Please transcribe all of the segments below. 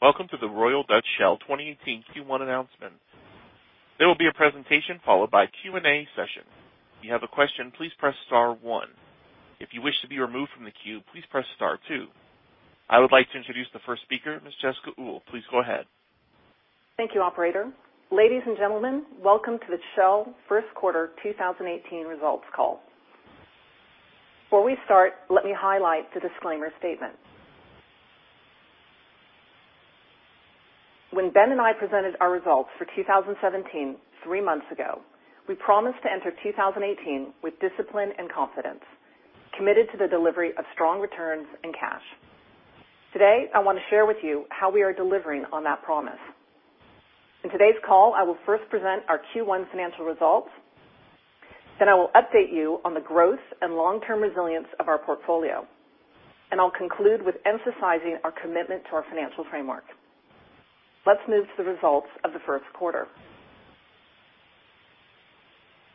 Welcome to the Royal Dutch Shell 2018 Q1 announcement. There will be a presentation followed by a Q&A session. If you have a question, please press star one. If you wish to be removed from the queue, please press star two. I would like to introduce the first speaker, Ms. Jessica Uhl. Please go ahead. Thank you, operator. Ladies and gentlemen, welcome to the Shell first quarter 2018 results call. Before we start, let me highlight the disclaimer statement. When Ben and I presented our results for 2017, three months ago, we promised to enter 2018 with discipline and confidence, committed to the delivery of strong returns and cash. Today, I want to share with you how we are delivering on that promise. In today's call, I will first present our Q1 financial results. I will update you on the growth and long-term resilience of our portfolio, I'll conclude with emphasizing our commitment to our financial framework. Let's move to the results of the first quarter.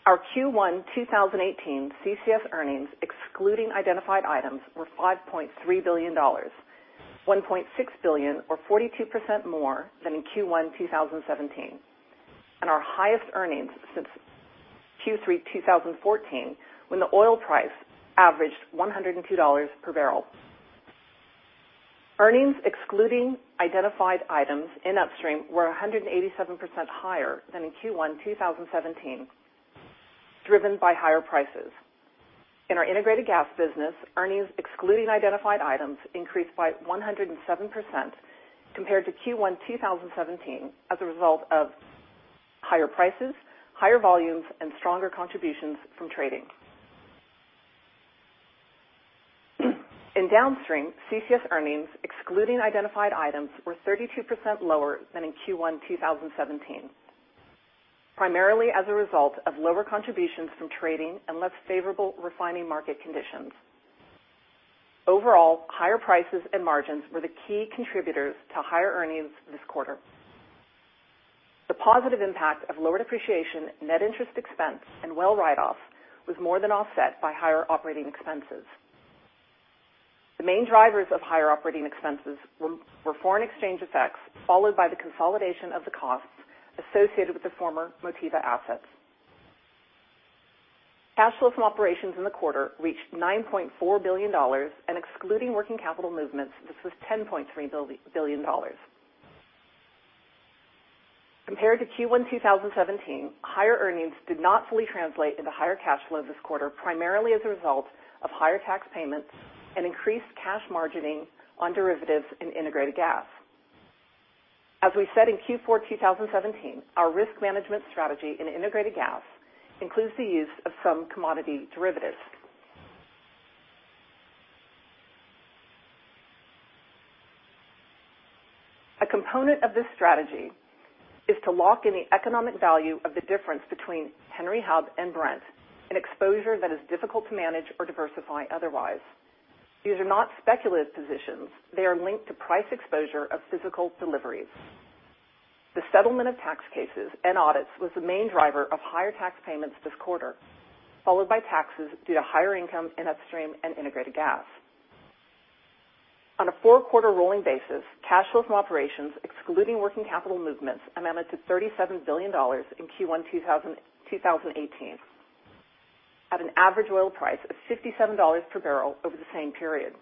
Our Q1 2018 CCS earnings, excluding identified items, were $5.3 billion, $1.6 billion or 42% more than in Q1 2017, and our highest earnings since Q3 2014, when the oil price averaged $102 per barrel. Earnings excluding identified items in Upstream were 187% higher than in Q1 2017, driven by higher prices. In our Integrated Gas business, earnings excluding identified items increased by 107% compared to Q1 2017, as a result of higher prices, higher volumes, and stronger contributions from trading. In Downstream, CCS earnings excluding identified items were 32% lower than in Q1 2017, primarily as a result of lower contributions from trading and less favorable refining market conditions. Overall, higher prices and margins were the key contributors to higher earnings this quarter. The positive impact of lower depreciation, net interest expense, and well write-offs was more than offset by higher operating expenses. The main drivers of higher operating expenses were foreign exchange effects, followed by the consolidation of the costs associated with the former Motiva assets. Cash flow from operations in the quarter reached $9.4 billion. Excluding working capital movements, this was $10.3 billion. Compared to Q1 2017, higher earnings did not fully translate into higher cash flow this quarter, primarily as a result of higher tax payments and increased cash margining on derivatives in Integrated Gas. As we said in Q4 2017, our risk management strategy in Integrated Gas includes the use of some commodity derivatives. A component of this strategy is to lock in the economic value of the difference between Henry Hub and Brent, an exposure that is difficult to manage or diversify otherwise. These are not speculative positions. They are linked to price exposure of physical deliveries. The settlement of tax cases and audits was the main driver of higher tax payments this quarter, followed by taxes due to higher income in Upstream and Integrated Gas. On a four-quarter rolling basis, cash flow from operations excluding working capital movements amounted to $37 billion in Q1 2018, at an average oil price of $57 per barrel over the same period.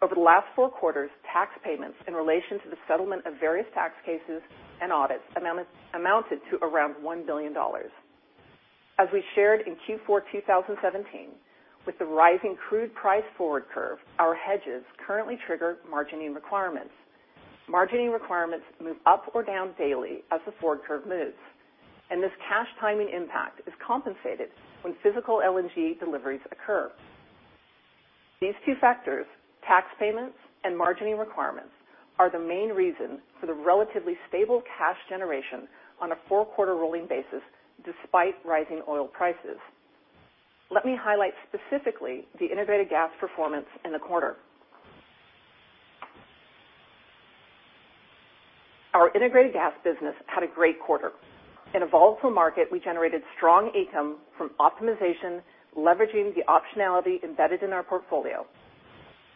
Over the last four quarters, tax payments in relation to the settlement of various tax cases and audits amounted to around $1 billion. As we shared in Q4 2017, with the rising crude price forward curve, our hedges currently trigger margining requirements. Margining requirements move up or down daily as the forward curve moves, and this cash timing impact is compensated when physical LNG deliveries occur. These two factors, tax payments and margining requirements, are the main reason for the relatively stable cash generation on a four-quarter rolling basis, despite rising oil prices. Let me highlight specifically the integrated gas performance in the quarter. Our integrated gas business had a great quarter. In a volatile market, we generated strong ETAM from optimization, leveraging the optionality embedded in our portfolio.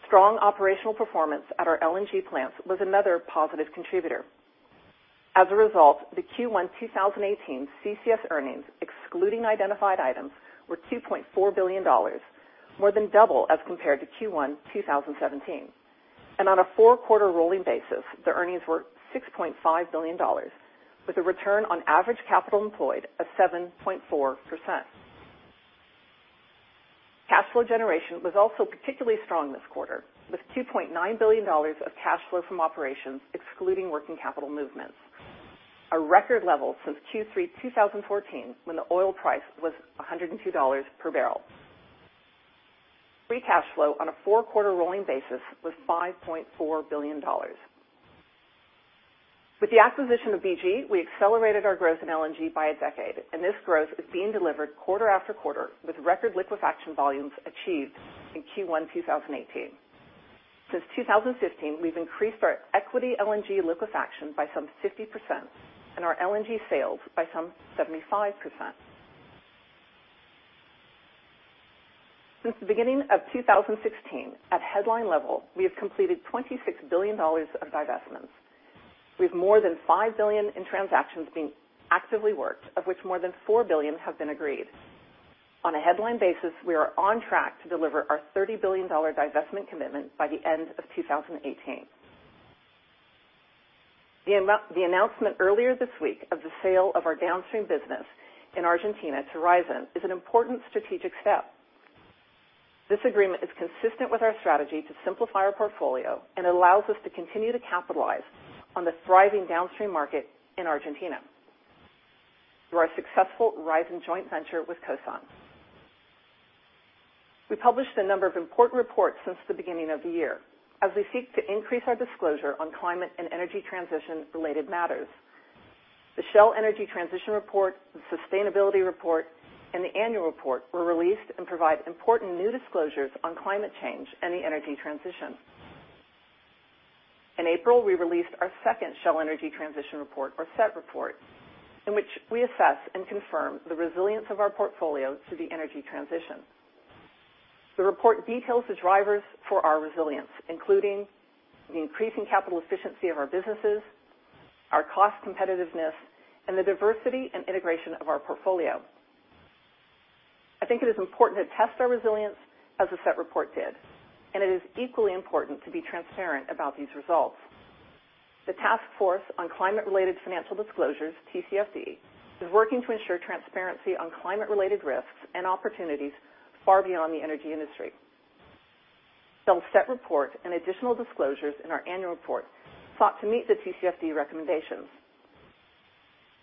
Strong operational performance at our LNG plants was another positive contributor. As a result, the Q1 2018 CCS earnings, excluding identified items, were $2.4 billion, more than double as compared to Q1 2017. On a four-quarter rolling basis, the earnings were $6.5 billion with a return on average capital employed of 7.4%. Cash flow generation was also particularly strong this quarter, with $2.9 billion of cash flow from operations excluding working capital movements, a record level since Q3 2014 when the oil price was $102 per barrel. Free cash flow on a four-quarter rolling basis was $5.4 billion. With the acquisition of BG, we accelerated our growth in LNG by a decade, and this growth is being delivered quarter after quarter with record liquefaction volumes achieved in Q1 2018. Since 2015, we've increased our equity LNG liquefaction by some 50% and our LNG sales by some 75%. Since the beginning of 2016, at headline level, we have completed $26 billion of divestments. We have more than $5 billion in transactions being actively worked, of which more than $4 billion have been agreed. On a headline basis, we are on track to deliver our $30 billion divestment commitment by the end of 2018. The announcement earlier this week of the sale of our Downstream business in Argentina to Raízen is an important strategic step. This agreement is consistent with our strategy to simplify our portfolio and allows us to continue to capitalize on the thriving Downstream market in Argentina through our successful Raízen joint venture with Cosan. We published a number of important reports since the beginning of the year, as we seek to increase our disclosure on climate and energy transition-related matters. The Shell Energy Transition Report, the Sustainability Report, and the Annual Report were released and provide important new disclosures on climate change and the energy transition. In April, we released our second Shell Energy Transition report, or SET report, in which we assess and confirm the resilience of our portfolio to the energy transition. The report details the drivers for our resilience, including the increasing capital efficiency of our businesses, our cost competitiveness, and the diversity and integration of our portfolio. I think it is important to test our resilience as the SET report did, and it is equally important to be transparent about these results. The Task Force on Climate-Related Financial Disclosures, TCFD, is working to ensure transparency on climate-related risks and opportunities far beyond the energy industry. Shell's SET report and additional disclosures in our Annual Report sought to meet the TCFD recommendations.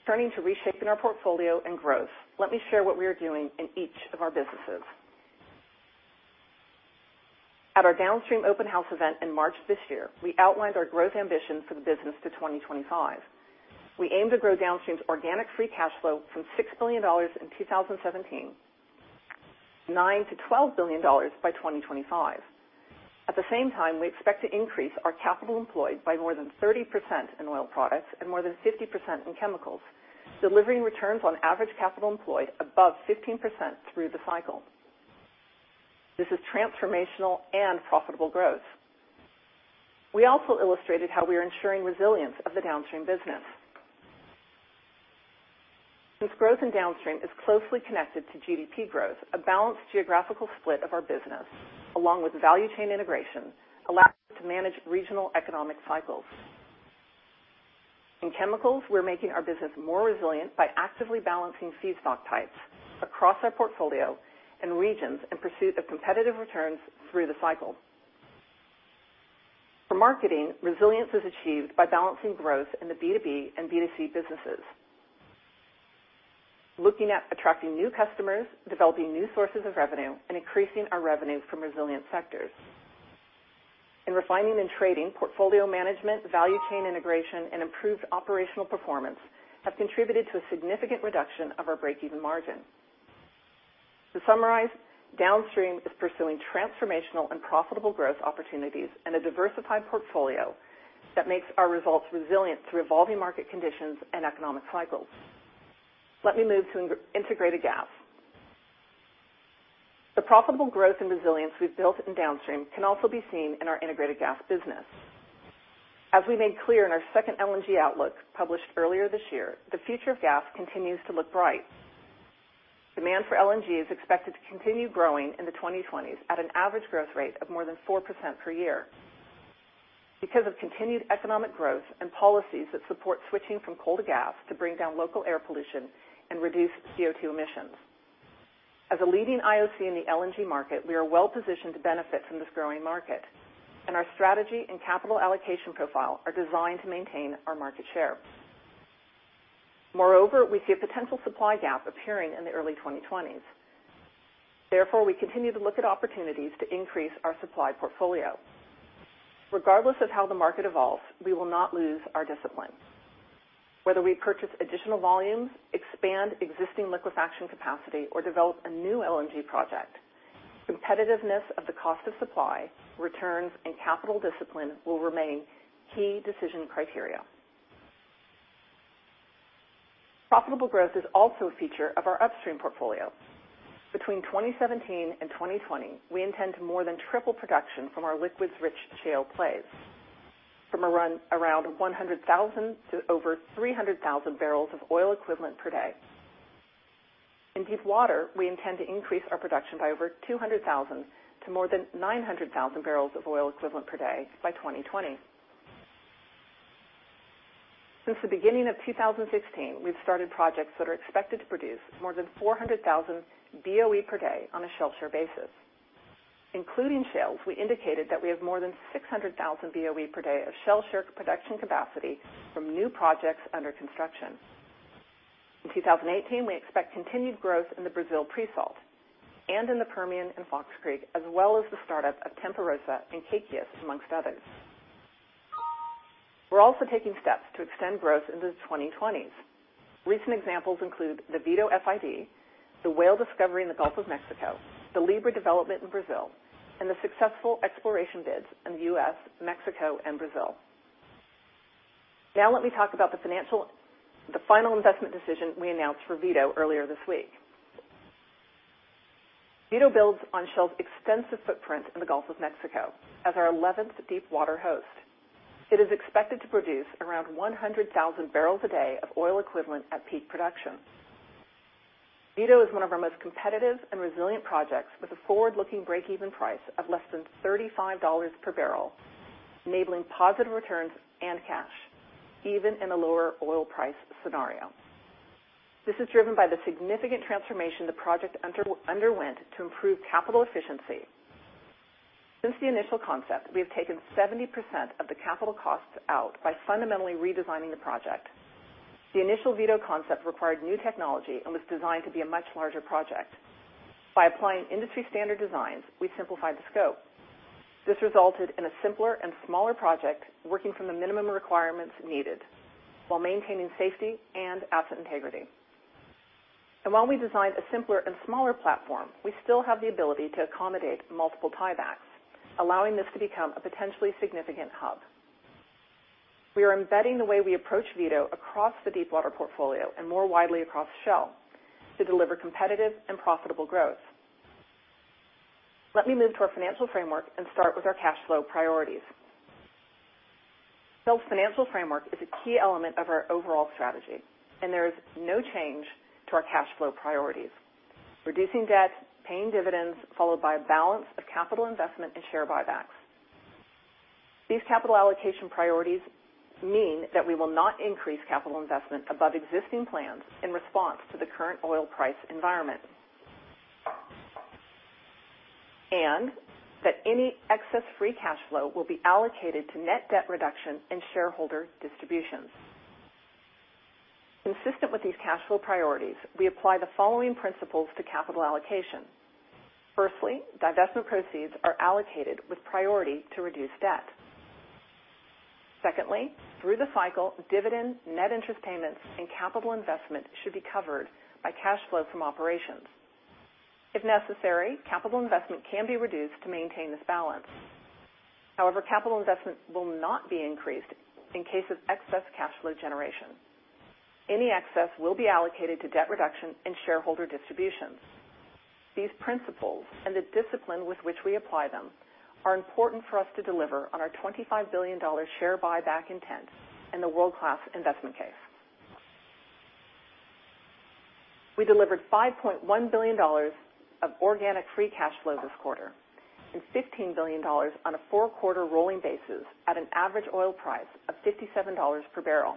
Turning to reshaping our portfolio and growth, let me share what we are doing in each of our businesses. At our Downstream open house event in March this year, we outlined our growth ambition for the business to 2025. We aim to grow Downstream's organic free cash flow from $6 billion in 2017, 9 to $12 billion by 2025. At the same time, we expect to increase our capital employed by more than 30% in oil products and more than 50% in chemicals, delivering returns on average capital employed above 15% through the cycle. This is transformational and profitable growth. We also illustrated how we are ensuring resilience of the Downstream business. Since growth in Downstream is closely connected to GDP growth, a balanced geographical split of our business, along with value chain integration, allows us to manage regional economic cycles. In Chemicals, we're making our business more resilient by actively balancing feedstock types across our portfolio and regions in pursuit of competitive returns through the cycle. For Marketing, resilience is achieved by balancing growth in the B2B and B2C businesses, looking at attracting new customers, developing new sources of revenue, and increasing our revenue from resilient sectors. In Refining and Trading, portfolio management, value chain integration, and improved operational performance have contributed to a significant reduction of our breakeven margin. To summarize, Downstream is pursuing transformational and profitable growth opportunities and a diversified portfolio that makes our results resilient through evolving market conditions and economic cycles. Let me move to Integrated Gas. The profitable growth and resilience we've built in Downstream can also be seen in our Integrated Gas business. As we made clear in our second LNG outlook published earlier this year, the future of gas continues to look bright. Demand for LNG is expected to continue growing in the 2020s at an average growth rate of more than 4% per year because of continued economic growth and policies that support switching from coal to gas to bring down local air pollution and reduce CO2 emissions. As a leading IOC in the LNG market, we are well positioned to benefit from this growing market, and our strategy and capital allocation profile are designed to maintain our market share. Moreover, we see a potential supply gap appearing in the early 2020s. Therefore, we continue to look at opportunities to increase our supply portfolio. Regardless of how the market evolves, we will not lose our discipline. Whether we purchase additional volumes, expand existing liquefaction capacity, or develop a new LNG project, competitiveness of the cost of supply, returns, and capital discipline will remain key decision criteria. Profitable growth is also a feature of our Upstream portfolio. Between 2017 and 2020, we intend to more than triple production from our liquids-rich shale plays from around 100,000 to over 300,000 barrels of oil equivalent per day. In deep water, we intend to increase our production by over 200,000 to more than 900,000 barrels of oil equivalent per day by 2020. Since the beginning of 2016, we've started projects that are expected to produce more than 400,000 BOE per day on a Shell share basis. Including sales, we indicated that we have more than 600,000 BOE per day of Shell share production capacity from new projects under construction. In 2018, we expect continued growth in the Brazil pre-salt and in the Permian and Fox Creek, as well as the startup of Tempa Rossa. and Kaikias, amongst others. We're also taking steps to extend growth into the 2020s. Recent examples include the Vito FID, the Whale discovery in the Gulf of Mexico, the Libra development in Brazil, and the successful exploration bids in the U.S., Mexico, and Brazil. Let me talk about the final investment decision we announced for Vito earlier this week. Vito builds on Shell's extensive footprint in the Gulf of Mexico as our 11th deep water host. It is expected to produce around 100,000 barrels a day of oil equivalent at peak production. Vito is one of our most competitive and resilient projects with a forward-looking breakeven price of less than $35 per barrel, enabling positive returns and cash, even in a lower oil price scenario. This is driven by the significant transformation the project underwent to improve capital efficiency. Since the initial concept, we have taken 70% of the capital costs out by fundamentally redesigning the project. The initial Vito concept required new technology and was designed to be a much larger project. By applying industry-standard designs, we simplified the scope. This resulted in a simpler and smaller project, working from the minimum requirements needed while maintaining safety and asset integrity. While we designed a simpler and smaller platform, we still have the ability to accommodate multiple tiebacks, allowing this to become a potentially significant hub. We are embedding the way we approach Vito across the Deepwater portfolio and more widely across Shell to deliver competitive and profitable growth. Let me move to our financial framework and start with our cash flow priorities. Shell's financial framework is a key element of our overall strategy, and there is no change to our cash flow priorities. Reducing debt, paying dividends, followed by a balance of capital investment and share buybacks. These capital allocation priorities mean that we will not increase capital investment above existing plans in response to the current oil price environment. That any excess free cash flow will be allocated to net debt reduction and shareholder distributions. Consistent with these cash flow priorities, we apply the following principles to capital allocation. Firstly, divestment proceeds are allocated with priority to reduce debt. Secondly, through the cycle, dividends, net interest payments, and capital investment should be covered by cash flows from operations. If necessary, capital investment can be reduced to maintain this balance. However, capital investment will not be increased in case of excess cash flow generation. Any excess will be allocated to debt reduction and shareholder distributions. These principles, the discipline with which we apply them, are important for us to deliver on our $25 billion share buyback intent and the world-class investment case. We delivered $5.1 billion of organic free cash flow this quarter and $15 billion on a four-quarter rolling basis at an average oil price of $57 per barrel.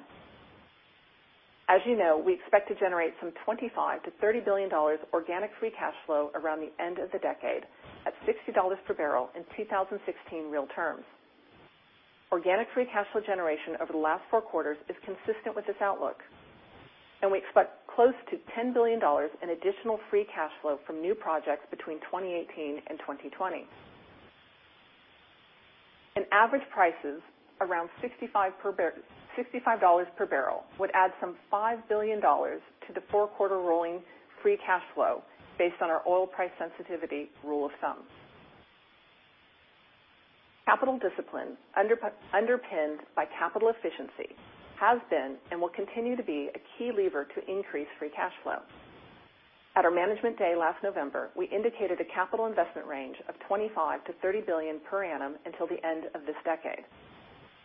As you know, we expect to generate some $25 billion-$30 billion organic free cash flow around the end of the decade at $60 per barrel in 2016 real terms. Organic free cash flow generation over the last four quarters is consistent with this outlook. We expect close to $10 billion in additional free cash flow from new projects between 2018 and 2020. Average prices around $65 per barrel would add some $5 billion to the four-quarter rolling free cash flow based on our oil price sensitivity rule of thumb. Capital discipline underpinned by capital efficiency has been and will continue to be a key lever to increase free cash flow. At our Management Day last November, we indicated a capital investment range of $25 billion-$30 billion per annum until the end of this decade.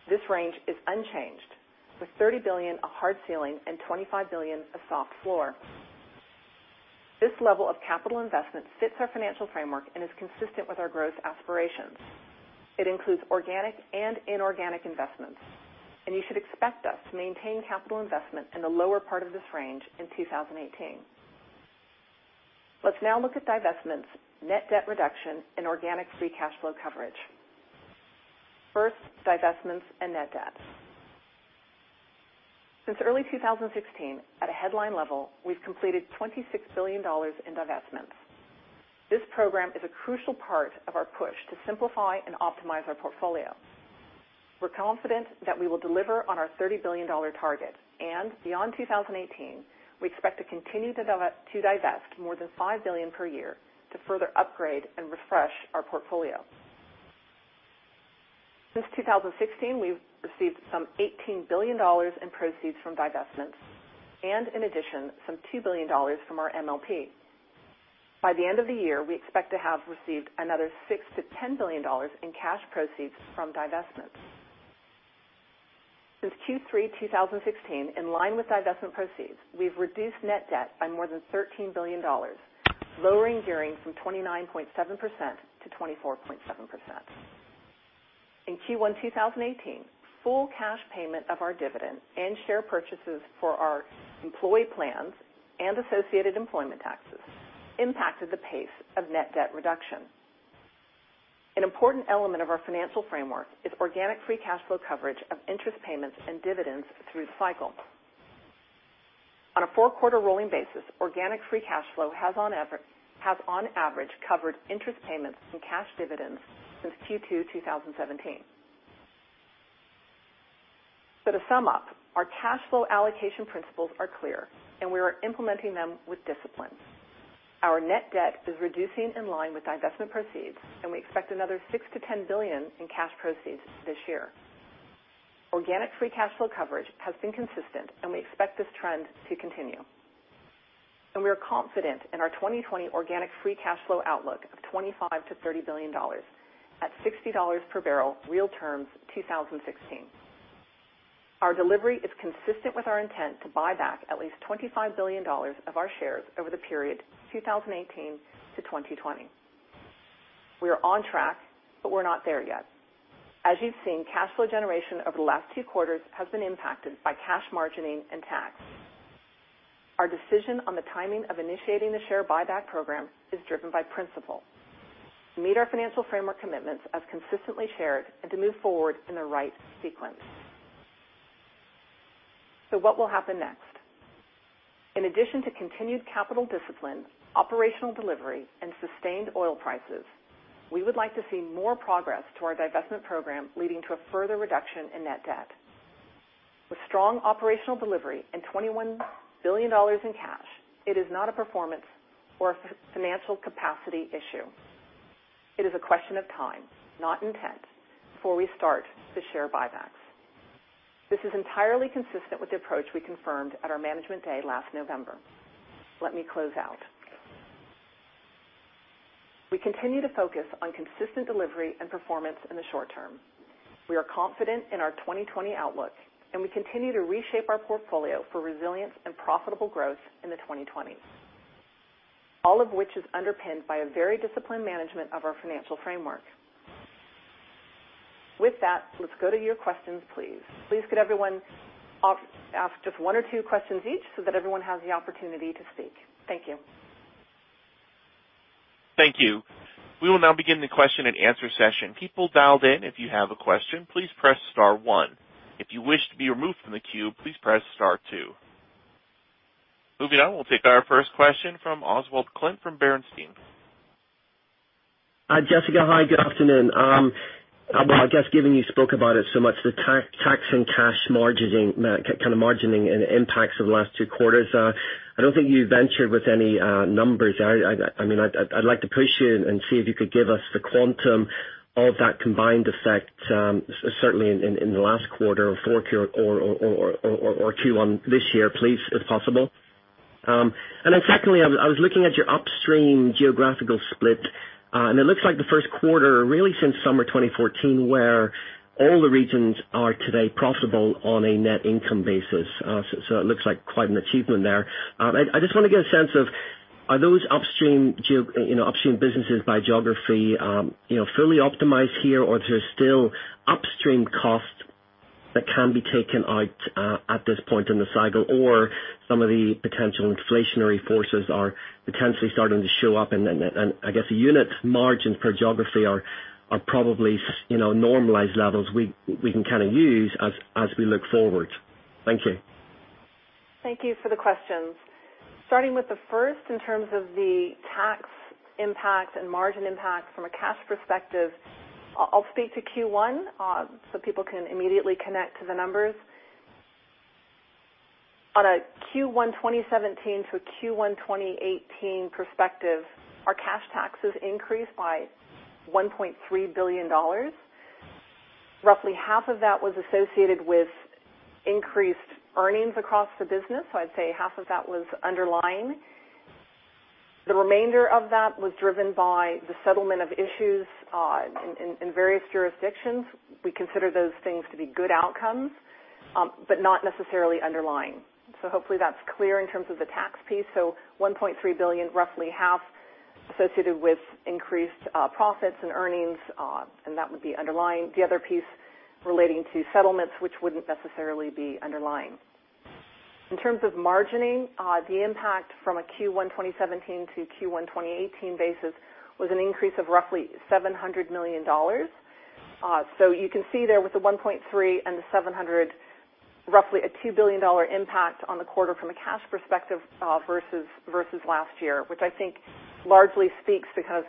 This range is unchanged, with $30 billion a hard ceiling and $25 billion a soft floor. This level of capital investment fits our financial framework and is consistent with our growth aspirations. It includes organic and inorganic investments. You should expect us to maintain capital investment in the lower part of this range in 2018. Let's now look at divestments, net debt reduction, and organic free cash flow coverage. First, divestments and net debt. Since early 2016, at a headline level, we've completed $26 billion in divestments. This program is a crucial part of our push to simplify and optimize our portfolio. We're confident that we will deliver on our $30 billion target. Beyond 2018, we expect to continue to divest more than $5 billion per year to further upgrade and refresh our portfolio. Since 2016, we've received some $18 billion in proceeds from divestments and in addition, some $2 billion from our MLP. By the end of the year, we expect to have received another $6 billion-$10 billion in cash proceeds from divestments. Since Q3 2016, in line with divestment proceeds, we've reduced net debt by more than $13 billion, lowering gearing from 29.7%-24.7%. In Q1 2018, full cash payment of our dividend and share purchases for our employee plans and associated employment taxes impacted the pace of net debt reduction. An important element of our financial framework is organic free cash flow coverage of interest payments and dividends through the cycle. On a four-quarter rolling basis, organic free cash flow has on average covered interest payments and cash dividends since Q2 2017. To sum up, our cash flow allocation principles are clear. We are implementing them with discipline. Our net debt is reducing in line with divestment proceeds. We expect another $6 billion-$10 billion in cash proceeds this year. Organic free cash flow coverage has been consistent. We expect this trend to continue. We are confident in our 2020 organic free cash flow outlook of $25 billion-$30 billion at $60 per barrel real terms 2016. Our delivery is consistent with our intent to buy back at least $25 billion of our shares over the period 2018 to 2020. We are on track. We're not there yet. As you've seen, cash flow generation over the last two quarters has been impacted by cash margining and tax. Our decision on the timing of initiating the share buyback program is driven by principle, to meet our financial framework commitments as consistently shared and to move forward in the right sequence. What will happen next? In addition to continued capital discipline, operational delivery, and sustained oil prices, we would like to see more progress to our divestment program, leading to a further reduction in net debt. With strong operational delivery and $21 billion in cash, it is not a performance or a financial capacity issue. It is a question of time, not intent, before we start the share buybacks. This is entirely consistent with the approach we confirmed at our Management Day last November. Let me close out. We continue to focus on consistent delivery and performance in the short term. We are confident in our 2020 outlook, and we continue to reshape our portfolio for resilience and profitable growth in the 2020s. All of which is underpinned by a very disciplined management of our financial framework. With that, let's go to your questions, please. Please could everyone ask just one or two questions each so that everyone has the opportunity to speak. Thank you. Thank you. We will now begin the question and answer session. People dialed in, if you have a question, please press star one. If you wish to be removed from the queue, please press star two. Moving on, we'll take our first question from Oswald Clint from Bernstein. Hi, Jessica. Hi, good afternoon. Well, I guess, given you spoke about it so much, the tax and cash margining and the impacts of the last two quarters, I don't think you ventured with any numbers there. I'd like to push you and see if you could give us the quantum of that combined effect, certainly in the last quarter or two on this year, please, if possible. Secondly, I was looking at your Upstream geographical split, and it looks like the first quarter, really since summer 2014, where all the regions are today profitable on a net income basis. It looks like quite an achievement there. I just want to get a sense of, are those Upstream businesses by geography fully optimized here, or is there still Upstream costs that can be taken out at this point in the cycle? Some of the potential inflationary forces are potentially starting to show up. I guess the unit margins per geography are probably normalized levels we can use as we look forward. Thank you. Thank you for the questions. Starting with the first, in terms of the tax impact and margin impact from a cash perspective, I'll speak to Q1 so people can immediately connect to the numbers. On a Q1 2017 to a Q1 2018 perspective, our cash taxes increased by $1.3 billion. Roughly half of that was associated with increased earnings across the business. I'd say half of that was underlying. The remainder of that was driven by the settlement of issues in various jurisdictions. We consider those things to be good outcomes, but not necessarily underlying. Hopefully that's clear in terms of the tax piece. $1.3 billion, roughly half associated with increased profits and earnings, and that would be underlying. The other piece relating to settlements, which wouldn't necessarily be underlying. In terms of margining, the impact from a Q1 2017 to Q1 2018 basis was an increase of roughly $700 million. You can see there with the $1.3 and the $700, roughly a $2 billion impact on the quarter from a cash perspective versus last year, which I think largely speaks because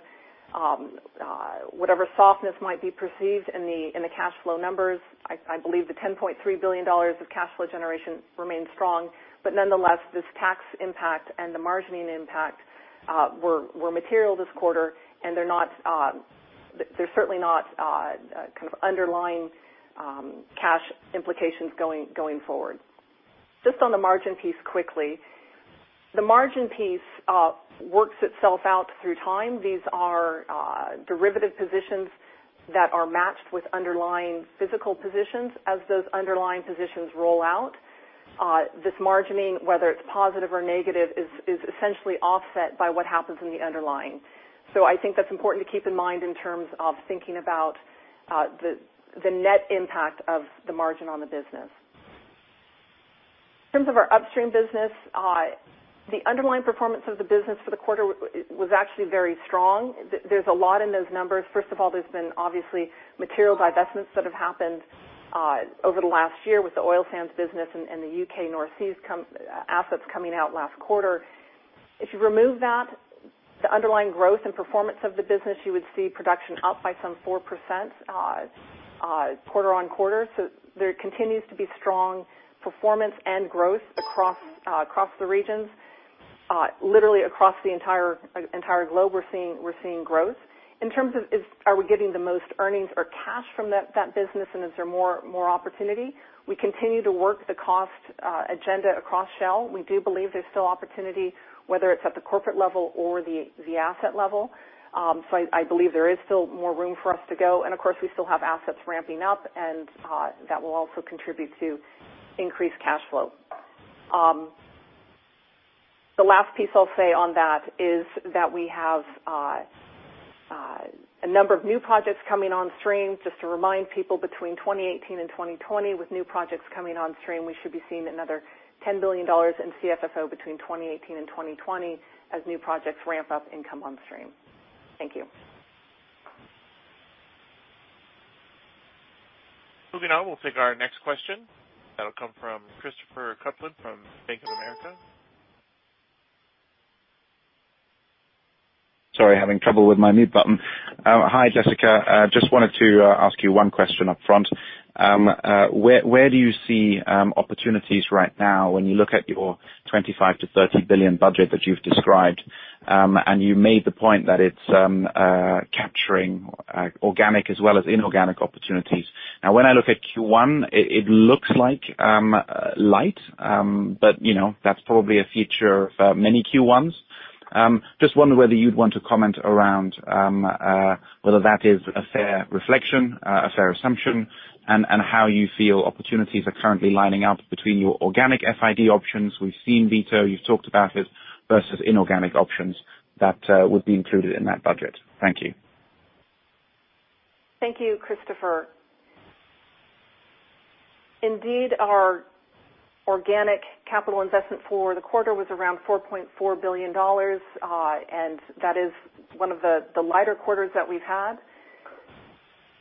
whatever softness might be perceived in the cash flow numbers, I believe the $10.3 billion of cash flow generation remains strong. Nonetheless, this tax impact and the margining impact were material this quarter, and they're certainly not underlying cash implications going forward. Just on the margin piece quickly. The margin piece works itself out through time. These are derivative positions that are matched with underlying physical positions. As those underlying positions roll out, this margining, whether it's positive or negative, is essentially offset by what happens in the underlying. I think that's important to keep in mind in terms of thinking about the net impact of the margin on the business. In terms of our Upstream business, the underlying performance of the business for the quarter was actually very strong. There's a lot in those numbers. First of all, there's been obviously material divestments that have happened over the last year with the oil sands business and the U.K. North Sea assets coming out last quarter. If you remove that, the underlying growth and performance of the business, you would see production up by some 4% quarter on quarter. There continues to be strong performance and growth across the regions. Literally across the entire globe, we're seeing growth. In terms of are we getting the most earnings or cash from that business, and is there more opportunity? We continue to work the cost agenda across Shell. We do believe there's still opportunity, whether it's at the corporate level or the asset level. I believe there is still more room for us to go. Of course, we still have assets ramping up, and that will also contribute to increased cash flow. The last piece I'll say on that is that we have a number of new projects coming on stream. Just to remind people, between 2018 and 2020, with new projects coming on stream, we should be seeing another $10 billion in CFFO between 2018 and 2020 as new projects ramp up and come on stream. Thank you. Moving on, we'll take our next question. That'll come from Christopher Kuplent from Bank of America. Sorry, having trouble with my mute button. Hi Jessica. Just wanted to ask you one question up front. Where do you see opportunities right now when you look at your $25 billion-$30 billion budget that you've described? You made the point that it's capturing organic as well as inorganic opportunities. When I look at Q1, it looks like light, but that's probably a feature of many Q1s. Just wonder whether you'd want to comment around whether that is a fair reflection, a fair assumption, and how you feel opportunities are currently lining up between your organic FID options. We've seen Vito, you've talked about it, versus inorganic options that would be included in that budget. Thank you. Thank you, Christopher. Indeed, our organic capital investment for the quarter was around $4.4 billion, that is one of the lighter quarters that we've had.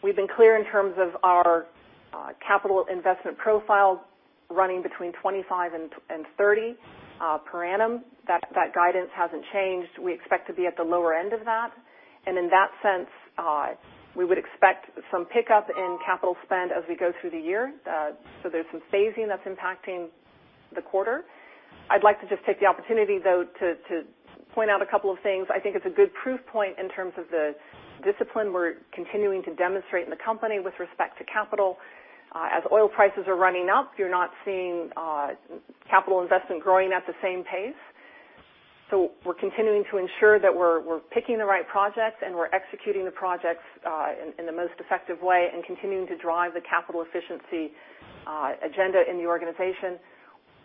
We've been clear in terms of our capital investment profile running between $25 billion and $30 billion per annum. That guidance hasn't changed. We expect to be at the lower end of that, in that sense, we would expect some pickup in capital spend as we go through the year. There's some phasing that's impacting the quarter. I'd like to just take the opportunity, though, to point out a couple of things. I think it's a good proof point in terms of the discipline we're continuing to demonstrate in the company with respect to capital. As oil prices are running up, you're not seeing capital investment growing at the same pace. We're continuing to ensure that we're picking the right projects and we're executing the projects in the most effective way and continuing to drive the capital efficiency agenda in the organization.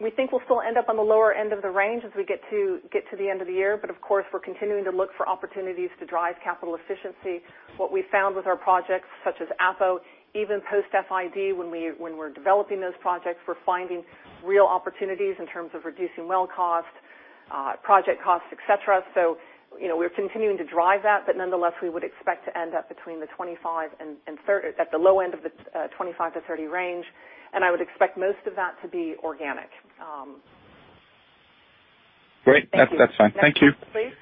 We think we'll still end up on the lower end of the range as we get to the end of the year. Of course, we're continuing to look for opportunities to drive capital efficiency. What we've found with our projects, such as Appomattox, even post-FID, when we're developing those projects, we're finding real opportunities in terms of reducing well cost, project cost, et cetera. We're continuing to drive that. Nonetheless, we would expect to end up at the low end of the $25 billion-$30 billion range, I would expect most of that to be organic. Great. That's fine. Thank you. Next question, please.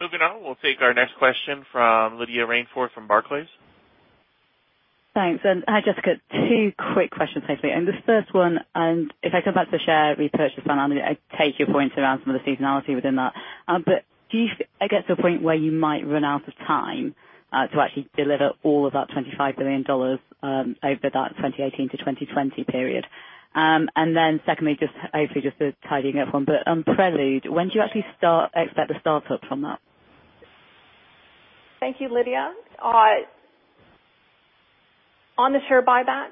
Moving on, we'll take our next question from Lydia Rainforth from Barclays. Thanks. Hi, Jessica. Two quick questions, hopefully. This first one, and if I come back to share repurchase one, I take your points around some of the seasonality within that. Do you get to a point where you might run out of time to actually deliver all of that $25 billion over that 2018 to 2020 period? Secondly, just hopefully just tidying up on, but Prelude, when do you actually expect a startup from that? Thank you, Lydia. On the share buybacks,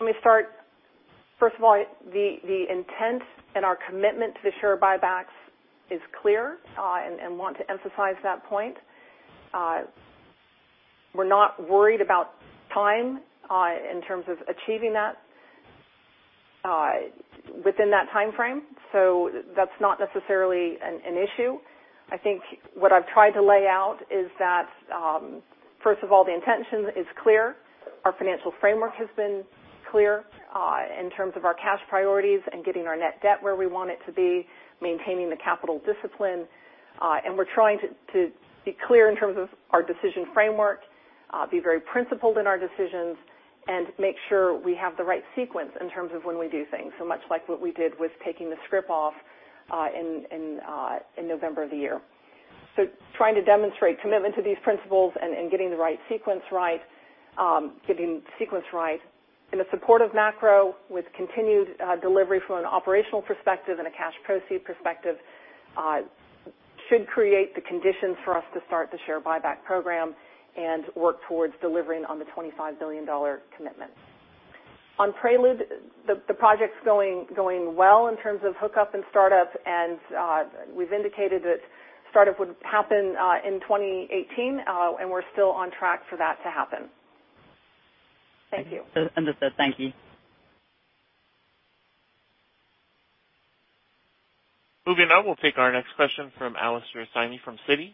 let me start, first of all, the intent and our commitment to the share buybacks is clear, want to emphasize that point. We're not worried about time in terms of achieving that within that timeframe. That's not necessarily an issue. I think what I've tried to lay out is that, first of all, the intention is clear. Our financial framework has been clear in terms of our cash priorities and getting our net debt where we want it to be, maintaining the capital discipline. We're trying to be clear in terms of our decision framework, be very principled in our decisions, and make sure we have the right sequence in terms of when we do things. Much like what we did with taking the scrip off in November of the year. Trying to demonstrate commitment to these principles and getting the right sequence right, getting the sequence right in the support of macro with continued delivery from an operational perspective and a cash proceed perspective should create the conditions for us to start the share buyback program and work towards delivering on the $25 billion commitment. On Prelude, the project's going well in terms of hookup and startup, we've indicated that startup would happen in 2018, we're still on track for that to happen. Thank you. Understood. Thank you. Moving on, we'll take our next question from Alastair Syme from Citi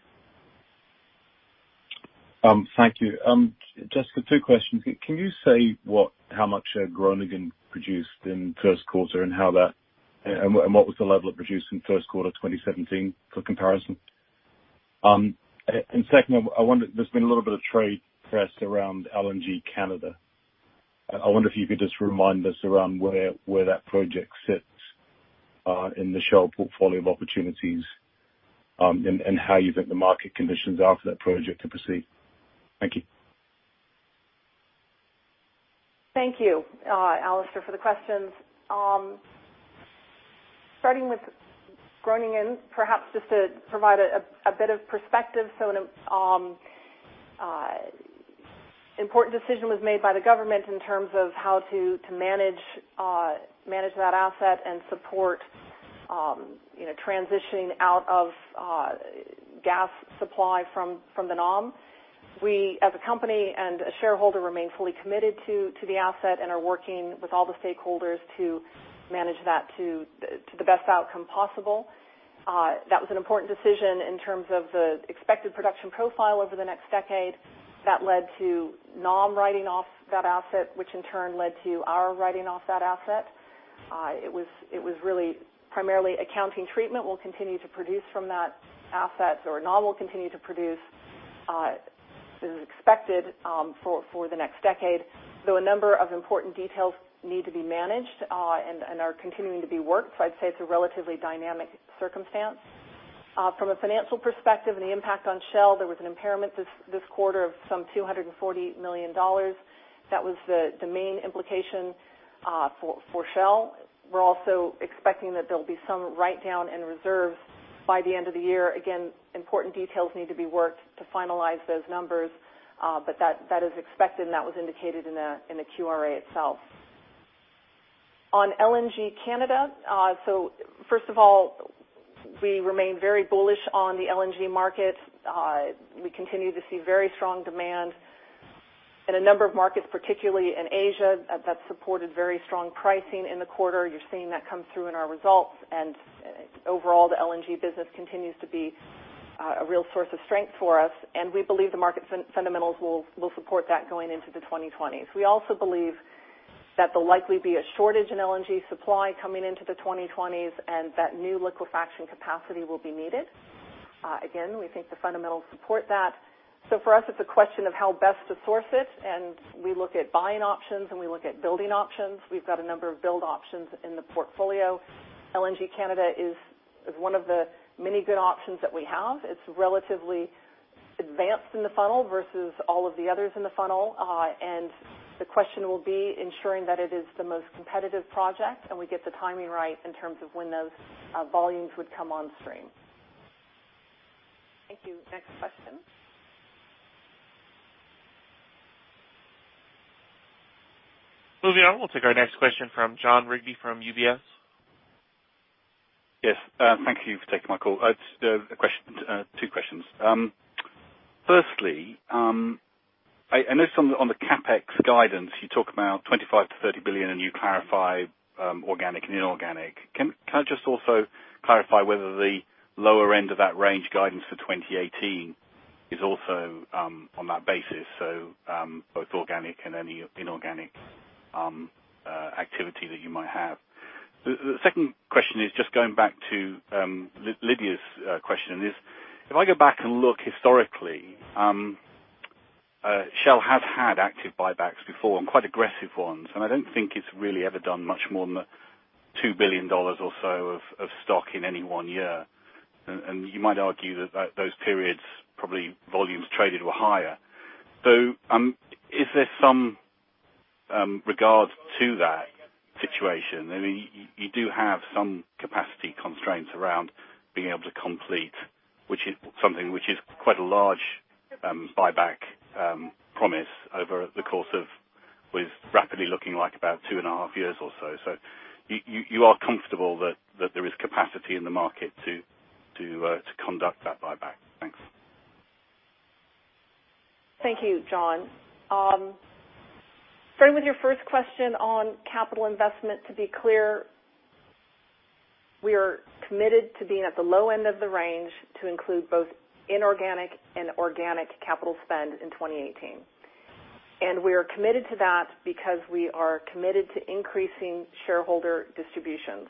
Thank you. Just two questions. Can you say how much Groningen produced in the first quarter, and what was the level of production in the first quarter of 2017 for comparison? Second, there's been a little bit of trade press around LNG Canada. I wonder if you could just remind us around where that project sits in the Shell portfolio of opportunities, and how you think the market conditions are for that project to proceed. Thank you. Thank you, Alastair, for the questions. Starting with Groningen, perhaps just to provide a bit of perspective. An important decision was made by the government in terms of how to manage that asset and support transitioning out of gas supply from the NAM. We, as a company and a shareholder, remain fully committed to the asset and are working with all the stakeholders to manage that to the best outcome possible. That was an important decision in terms of the expected production profile over the next decade. That led to NAM writing off that asset, which in turn led to our writing off that asset. It was really primarily accounting treatment. We'll continue to produce from that asset, or NAM will continue to produce as expected for the next decade, though a number of important details need to be managed and are continuing to be worked. I'd say it's a relatively dynamic circumstance. From a financial perspective and the impact on Shell, there was an impairment this quarter of some $240 million. That was the main implication for Shell. We're also expecting that there'll be some write-down in reserves by the end of the year. Again, important details need to be worked to finalize those numbers. That is expected, and that was indicated in the QRA itself. On LNG Canada, first of all, we remain very bullish on the LNG market. We continue to see very strong demand in a number of markets, particularly in Asia. That supported very strong pricing in the quarter. You're seeing that come through in our results. Overall, the LNG business continues to be a real source of strength for us. We believe the market fundamentals will support that going into the 2020s. We also believe that there'll likely be a shortage in LNG supply coming into the 2020s and that new liquefaction capacity will be needed. Again, we think the fundamentals support that. For us, it's a question of how best to source it, we look at buying options, we look at building options. We've got a number of build options in the portfolio. LNG Canada is one of the many good options that we have. It's relatively advanced in the funnel versus all of the others in the funnel. The question will be ensuring that it is the most competitive project and we get the timing right in terms of when those volumes would come on stream. Thank you. Next question. Moving on. We'll take our next question from Jon Rigby from UBS. Yes. Thank you for taking my call. Two questions. Firstly, I notice on the CapEx guidance you talk about $25 billion-$30 billion, and you clarify organic and inorganic. Can I just also clarify whether the lower end of that range guidance for 2018 is also on that basis, both organic and any inorganic activity that you might have? The second question is just going back to Lydia's question is, if I go back and look historically, Shell has had active buybacks before, and quite aggressive ones. I don't think it's really ever done much more than the $2 billion or so of stock in any one year. You might argue that those periods probably volumes traded were higher. Is there some regard to that situation? You do have some capacity constraints around being able to complete something which is quite a large buyback promise over the course of, with rapidly looking like about two and a half years or so. You are comfortable that there is capacity in the market to conduct that buyback? Thanks. Thank you, Jon. Starting with your first question on capital investment, to be clear, we are committed to being at the low end of the range to include both inorganic and organic capital spend in 2018. We are committed to that because we are committed to increasing shareholder distributions.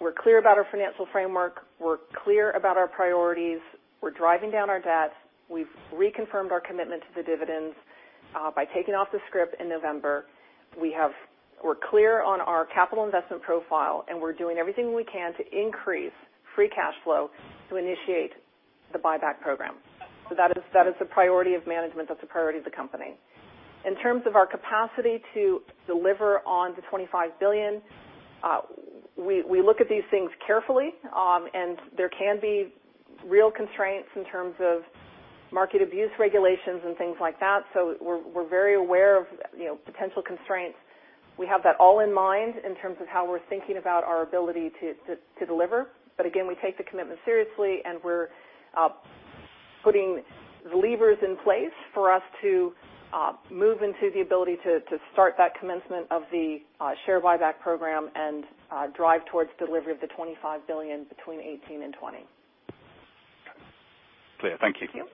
We're clear about our financial framework. We're clear about our priorities. We're driving down our debt. We've reconfirmed our commitment to the dividends by taking off the scrip in November. We're clear on our capital investment profile, we're doing everything we can to increase free cash flow to initiate the buyback program. That is the priority of management. That's the priority of the company. In terms of our capacity to deliver on the $25 billion, we look at these things carefully, there can be real constraints in terms of market abuse regulations and things like that. We're very aware of potential constraints. We have that all in mind in terms of how we're thinking about our ability to deliver. Again, we take the commitment seriously, and we're putting the levers in place for us to move into the ability to start that commencement of the share buyback program and drive towards delivery of the $25 billion between 2018 and 2020. Okay. Clear. Thank you. Thank you.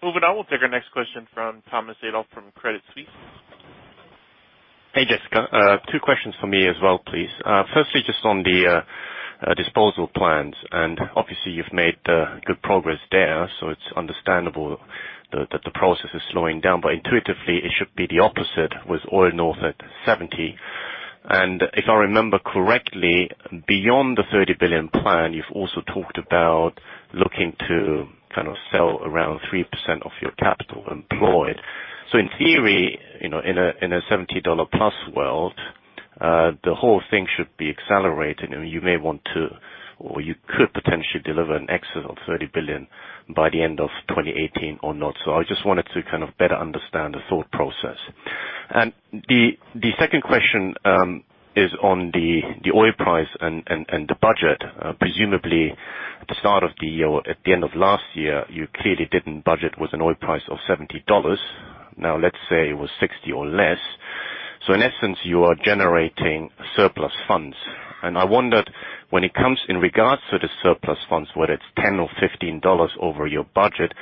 Moving on. We'll take our next question from Thomas Adolff from Credit Suisse. Hey, Jessica. Two questions from me as well, please. Firstly, just on the disposal plans. Obviously, you've made good progress there, so it's understandable that the process is slowing down. Intuitively, it should be the opposite with oil north at $70. If I remember correctly, beyond the $30 billion plan, you've also talked about looking to kind of sell around 3% of your capital employed. In theory, in a $70-plus world, the whole thing should be accelerating, and you may want to, or you could potentially deliver an exit of $30 billion by the end of 2018 or not. I just wanted to kind of better understand the thought process. The second question is on the oil price and the budget. Presumably at the start of the year or at the end of last year, you clearly didn't budget with an oil price of $70. Now, let's say it was $60 or less. In essence, you are generating surplus funds. I wondered when it comes in regards to the surplus funds, whether it's $10 or $15 over your budget,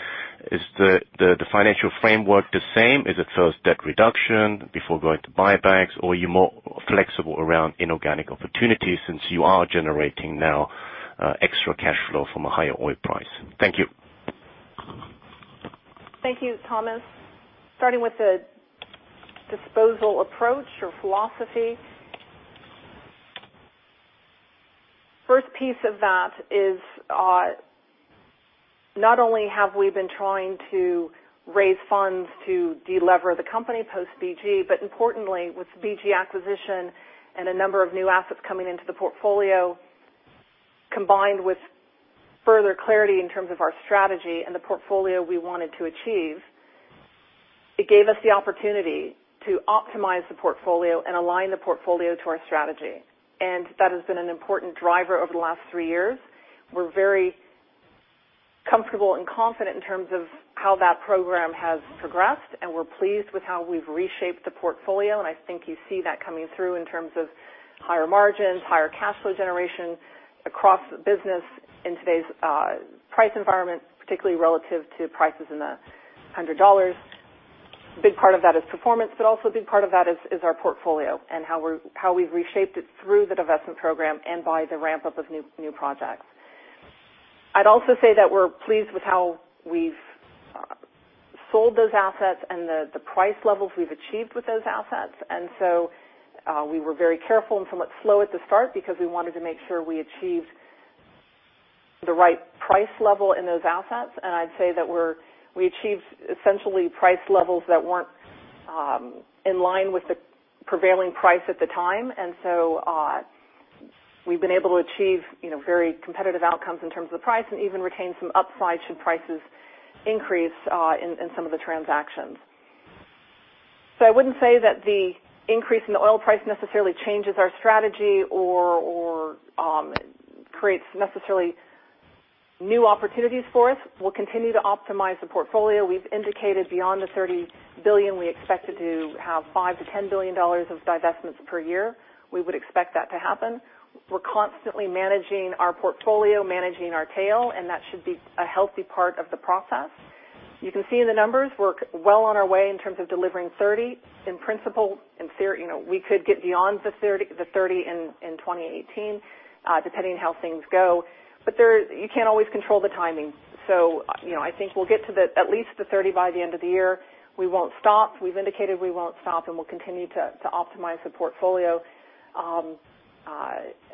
is the financial framework the same? Is it first debt reduction before going to buybacks, or are you more flexible around inorganic opportunities since you are generating now extra cash flow from a higher oil price? Thank you. Thank you, Thomas. Starting with the disposal approach or philosophy. First piece of that is, not only have we been trying to raise funds to delever the company post-BG Group, but importantly with the BG Group acquisition and a number of new assets coming into the portfolio, combined with further clarity in terms of our strategy and the portfolio we wanted to achieve, it gave us the opportunity to optimize the portfolio and align the portfolio to our strategy. That has been an important driver over the last three years. We're very comfortable and confident in terms of how that program has progressed. We're pleased with how we've reshaped the portfolio. I think you see that coming through in terms of higher margins, higher cash flow generation across the business in today's price environment, particularly relative to prices in the $100. A big part of that is performance. Also a big part of that is our portfolio and how we've reshaped it through the divestment program and by the ramp-up of new projects. I'd also say that we're pleased with how we've sold those assets and the price levels we've achieved with those assets. We were very careful and somewhat slow at the start because we wanted to make sure we achieved the right price level in those assets. I'd say that we achieved essentially price levels that weren't in line with the prevailing price at the time. We've been able to achieve very competitive outcomes in terms of the price and even retain some upside should prices increase in some of the transactions. I wouldn't say that the increase in the oil price necessarily changes our strategy or creates necessarily new opportunities for us. We'll continue to optimize the portfolio. We've indicated beyond the $30 billion, we expect to have $5 billion-$10 billion of divestments per year. We would expect that to happen. We're constantly managing our portfolio, managing our tail, and that should be a healthy part of the process. You can see in the numbers we're well on our way in terms of delivering $30 billion. In principle, we could get beyond the $30 billion in 2018, depending on how things go. You can't always control the timing. I think we'll get to at least the $30 billion by the end of the year. We won't stop. We've indicated we won't stop, and we'll continue to optimize the portfolio.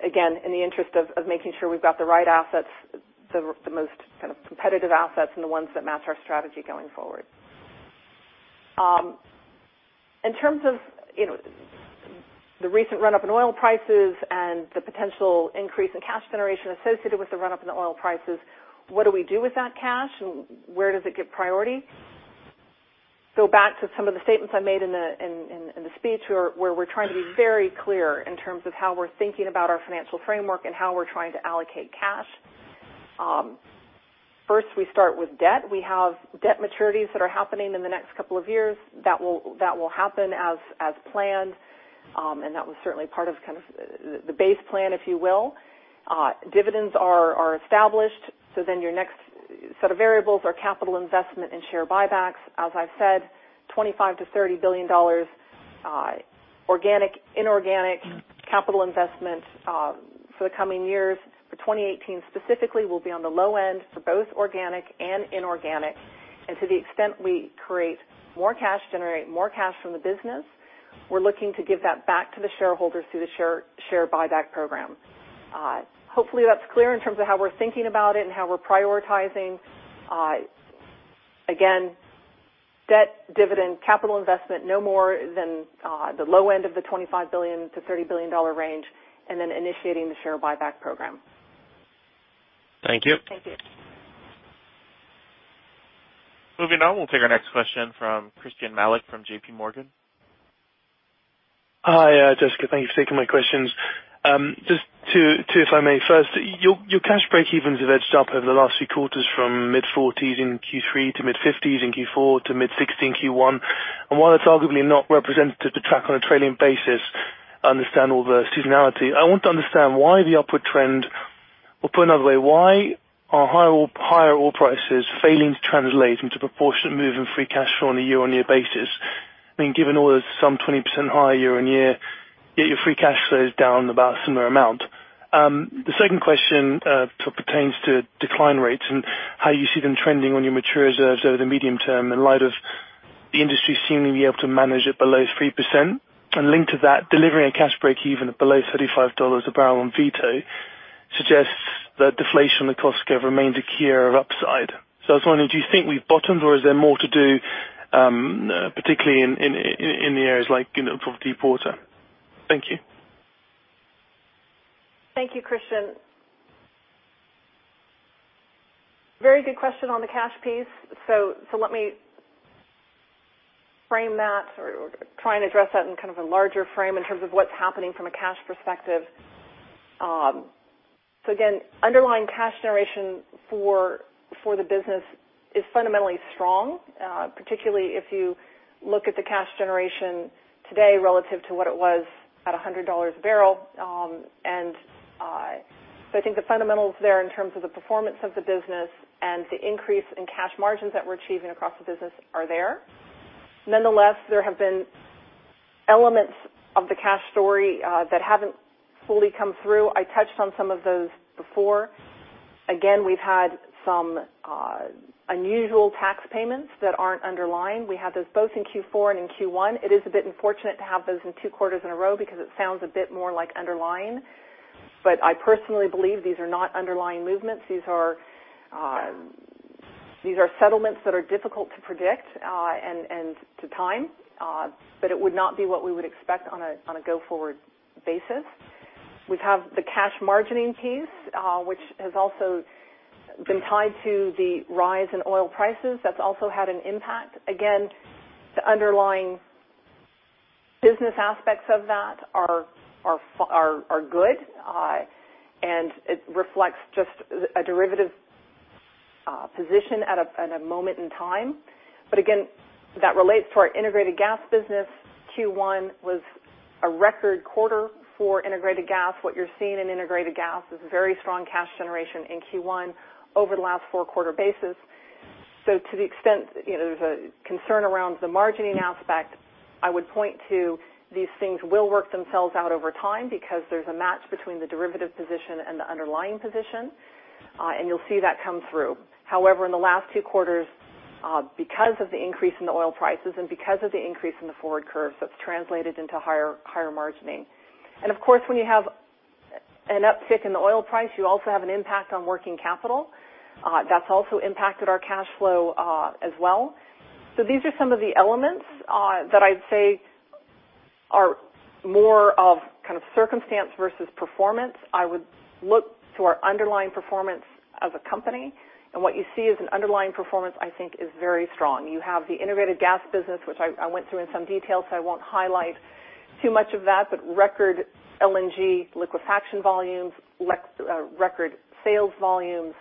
Again, in the interest of making sure we've got the right assets, the most competitive assets, and the ones that match our strategy going forward. In terms of the recent run-up in oil prices and the potential increase in cash generation associated with the run-up in the oil prices, what do we do with that cash, and where does it get priority? Go back to some of the statements I made in the speech where we're trying to be very clear in terms of how we're thinking about our financial framework and how we're trying to allocate cash. First, we start with debt. We have debt maturities that are happening in the next couple of years that will happen as planned, and that was certainly part of the base plan, if you will. Dividends are established. Your next set of variables are capital investment and share buybacks. As I've said, $25 billion-$30 billion organic, inorganic capital investment for the coming years. For 2018 specifically will be on the low end for both organic and inorganic. To the extent we create more cash, generate more cash from the business, we're looking to give that back to the shareholders through the share buyback program. Hopefully that's clear in terms of how we're thinking about it and how we're prioritizing. Again, debt, dividend, capital investment, no more than the low end of the $25 billion-$30 billion range, and then initiating the share buyback program. Thank you. Thank you. Moving on. We'll take our next question from Christyan Malek from J.P. Morgan. Hi, Jessica. Thank you for taking my questions. Just two, if I may. First, your cash break-evens have edged up over the last few quarters from mid-$40s in Q3 to mid-$50s in Q4 to mid-$60 in Q1. While it's arguably not representative to track on a trailing basis. Understand all the seasonality. I want to understand why the upward trend. Put another way, why are higher oil prices failing to translate into proportionate move in free cash flow on a year-on-year basis? Given oil is some 20% higher year-on-year, yet your free cash flow is down about a similar amount. The second question pertains to decline rates and how you see them trending on your mature reserves over the medium term in light of the industry seemingly able to manage it below 3%. Linked to that, delivering a cash break even below $35 a barrel on Vito suggests that deflation in the cost curve remains a key area of upside. I was wondering, do you think we've bottomed or is there more to do, particularly in the areas like deep water? Thank you. Thank you, Christyan. Very good question on the cash piece. Let me frame that or try and address that in kind of a larger frame in terms of what's happening from a cash perspective. Again, underlying cash generation for the business is fundamentally strong, particularly if you look at the cash generation today relative to what it was at $100 a barrel. I think the fundamentals there in terms of the performance of the business and the increase in cash margins that we're achieving across the business are there. Nonetheless, there have been elements of the cash story that haven't fully come through. I touched on some of those before. Again, we've had some unusual tax payments that aren't underlying. We had those both in Q4 and in Q1. It is a bit unfortunate to have those in two quarters in a row because it sounds a bit more like underlying. I personally believe these are not underlying movements. These are settlements that are difficult to predict and to time, it would not be what we would expect on a go-forward basis. We have the cash margining piece, which has also been tied to the rise in oil prices. That's also had an impact. Again, the underlying business aspects of that are good, and it reflects just a derivative position at a moment in time. Again, that relates to our integrated gas business. Q1 was a record quarter for integrated gas. What you're seeing in integrated gas is very strong cash generation in Q1 over the last four-quarter basis. To the extent there's a concern around the margining aspect, I would point to these things will work themselves out over time because there's a match between the derivative position and the underlying position, and you'll see that come through. However, in the last two quarters, because of the increase in the oil prices and because of the increase in the forward curve, that's translated into higher margining. Of course, when you have an uptick in the oil price, you also have an impact on working capital. That's also impacted our cash flow as well. These are some of the elements that I'd say are more of kind of circumstance versus performance. I would look to our underlying performance as a company, and what you see as an underlying performance, I think is very strong. You have the integrated gas business, which I went through in some detail, I won't highlight too much of that. Record LNG liquefaction volumes, record sales volumes,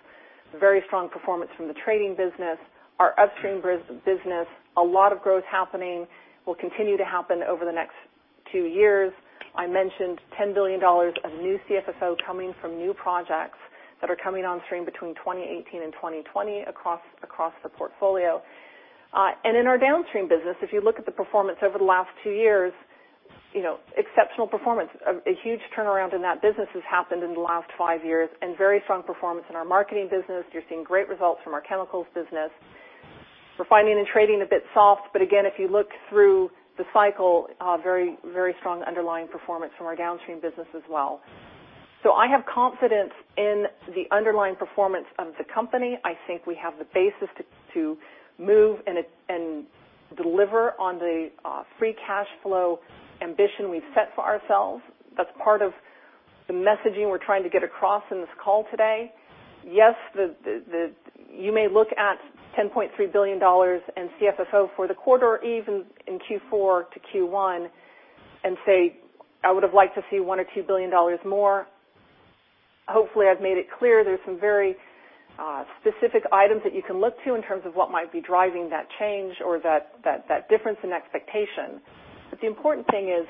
very strong performance from the trading business. Our upstream business, a lot of growth happening, will continue to happen over the next two years. I mentioned $10 billion of new CFFO coming from new projects that are coming on stream between 2018 and 2020 across the portfolio. In our downstream business, if you look at the performance over the last two years, exceptional performance. A huge turnaround in that business has happened in the last five years, and very strong performance in our marketing business. You're seeing great results from our chemicals business. Refining and trading a bit soft, again, if you look through the cycle, very strong underlying performance from our downstream business as well. I have confidence in the underlying performance of the company. I think we have the basis to move and deliver on the free cash flow ambition we've set for ourselves. That's part of the messaging we're trying to get across in this call today. Yes, you may look at $10.3 billion in CFFO for the quarter or even in Q4 to Q1 and say, "I would have liked to see $1 billion or $2 billion more." Hopefully, I've made it clear there's some very specific items that you can look to in terms of what might be driving that change or that difference in expectation. The important thing is,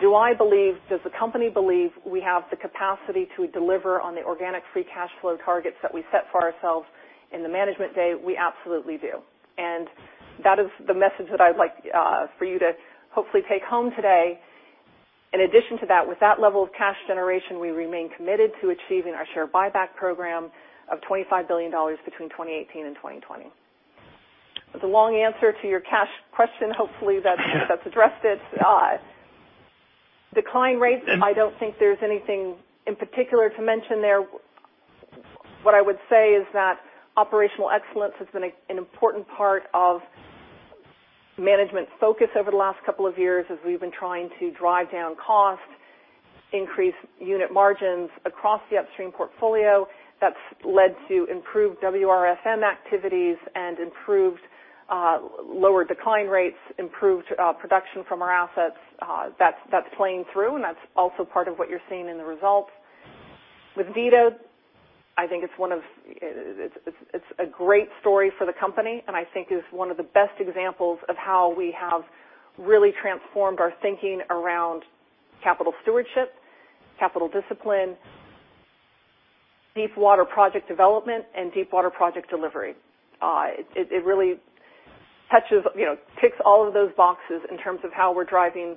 do I believe, does the company believe we have the capacity to deliver on the organic free cash flow targets that we set for ourselves in the Management Day? We absolutely do. That is the message that I'd like for you to hopefully take home today. In addition to that, with that level of cash generation, we remain committed to achieving our share buyback program of $25 billion between 2018 and 2020. That's long answer to your cash question. Hopefully, that's addressed it. Decline rates, I don't think there's anything in particular to mention there. What I would say is that operational excellence has been an important part of management focus over the last couple of years as we've been trying to drive down cost, increase unit margins across the upstream portfolio. That's led to improved WRFM activities and improved lower decline rates, improved production from our assets. That's playing through, and that's also part of what you're seeing in the results. With Vito, I think it's a great story for the company, and I think is one of the best examples of how we have really transformed our thinking around capital stewardship, capital discipline, deepwater project development, deepwater project delivery. It really ticks all of those boxes in terms of how we're driving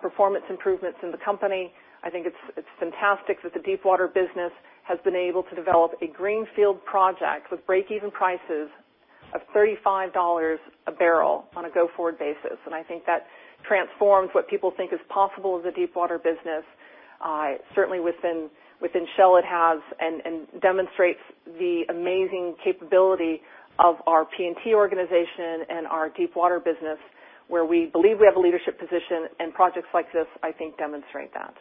performance improvements in the company. I think it's fantastic that the deepwater business has been able to develop a greenfield project with breakeven prices of $35 a barrel on a go-forward basis. I think that transforms what people think is possible as a deepwater business. Certainly, within Shell it has, and demonstrates the amazing capability of our P&T organization and our deepwater business, where we believe we have a leadership position. Projects like this, I think, demonstrate that.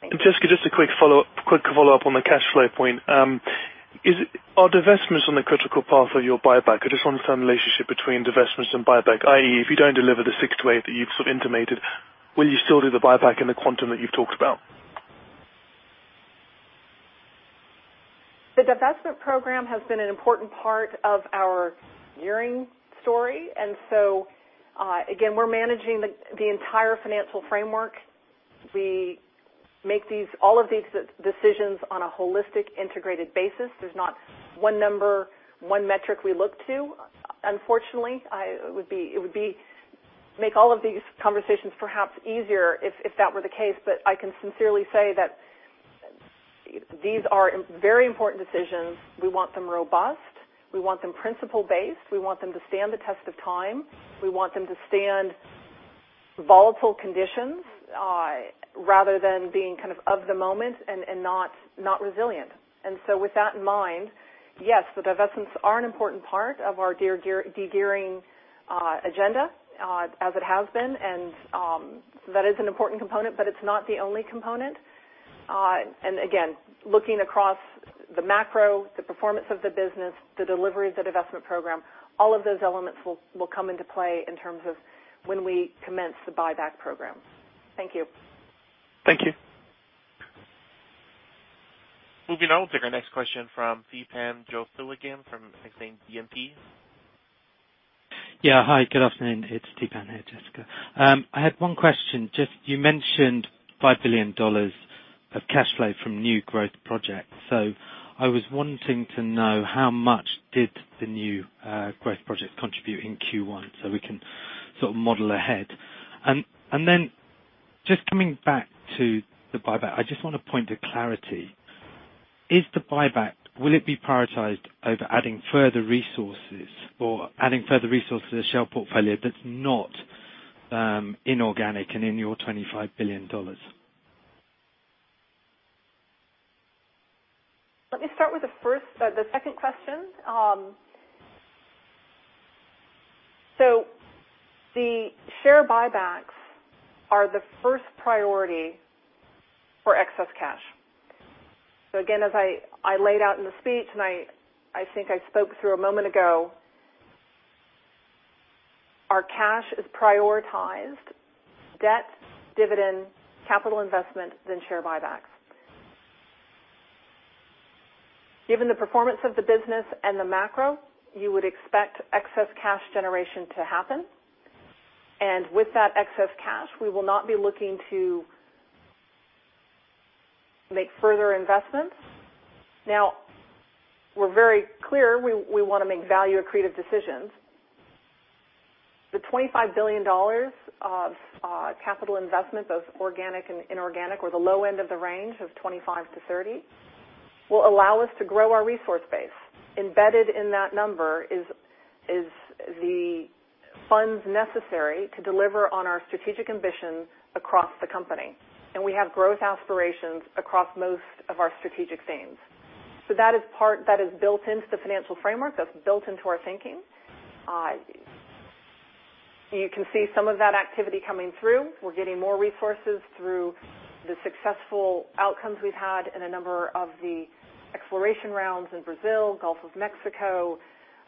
Thank you. Jessica, just a quick follow-up on the cash flow point. Are divestments on the critical path of your buyback? I just want to know the relationship between divestments and buyback, i.e., if you don't deliver the 6-8 that you've sort of intimated, will you still do the buyback in the quantum that you've talked about? The divestment program has been an important part of our de-gearing story. Again, we're managing the entire financial framework. We make all of these decisions on a holistic, integrated basis. There's not one number, one metric we look to. Unfortunately, it would make all of these conversations perhaps easier if that were the case. I can sincerely say that these are very important decisions. We want them robust. We want them principle-based. We want them to stand the test of time. We want them to stand volatile conditions, rather than being kind of of-the-moment and not resilient. With that in mind, yes, the divestments are an important part of our de-gearing agenda, as it has been. That is an important component, but it's not the only component. Again, looking across the macro, the performance of the business, the delivery of the divestment program, all of those elements will come into play in terms of when we commence the buyback program. Thank you. Thank you. Moving on. We'll take our next question from Theepan Jothilingam again from Exane BNP. Yeah. Hi, good afternoon. It's Theepan here, Jessica. I had one question. Just, you mentioned $5 billion of cash flow from new growth projects. I was wanting to know how much did the new growth projects contribute in Q1 so we can sort of model ahead. Just coming back to the buyback, I just want a point of clarity. Is the buyback, will it be prioritized over adding further resources or adding further resource to the Shell portfolio that's not inorganic and in your $25 billion? Let me start with the second question. The share buybacks are the first priority for excess cash. Again, as I laid out in the speech and I think I spoke through a moment ago, our cash is prioritized, debt, dividend, capital investment, then share buybacks. Given the performance of the business and the macro, you would expect excess cash generation to happen. With that excess cash, we will not be looking to make further investments. Now, we're very clear we want to make value-accretive decisions. The $25 billion of capital investment, both organic and inorganic, or the low end of the range of $25 billion-$30 billion, will allow us to grow our resource base. Embedded in that number is the funds necessary to deliver on our strategic ambitions across the company. We have growth aspirations across most of our strategic themes. That is built into the financial framework. That's built into our thinking. You can see some of that activity coming through. We're getting more resources through the successful outcomes we've had in a number of the exploration rounds in Brazil, Gulf of Mexico,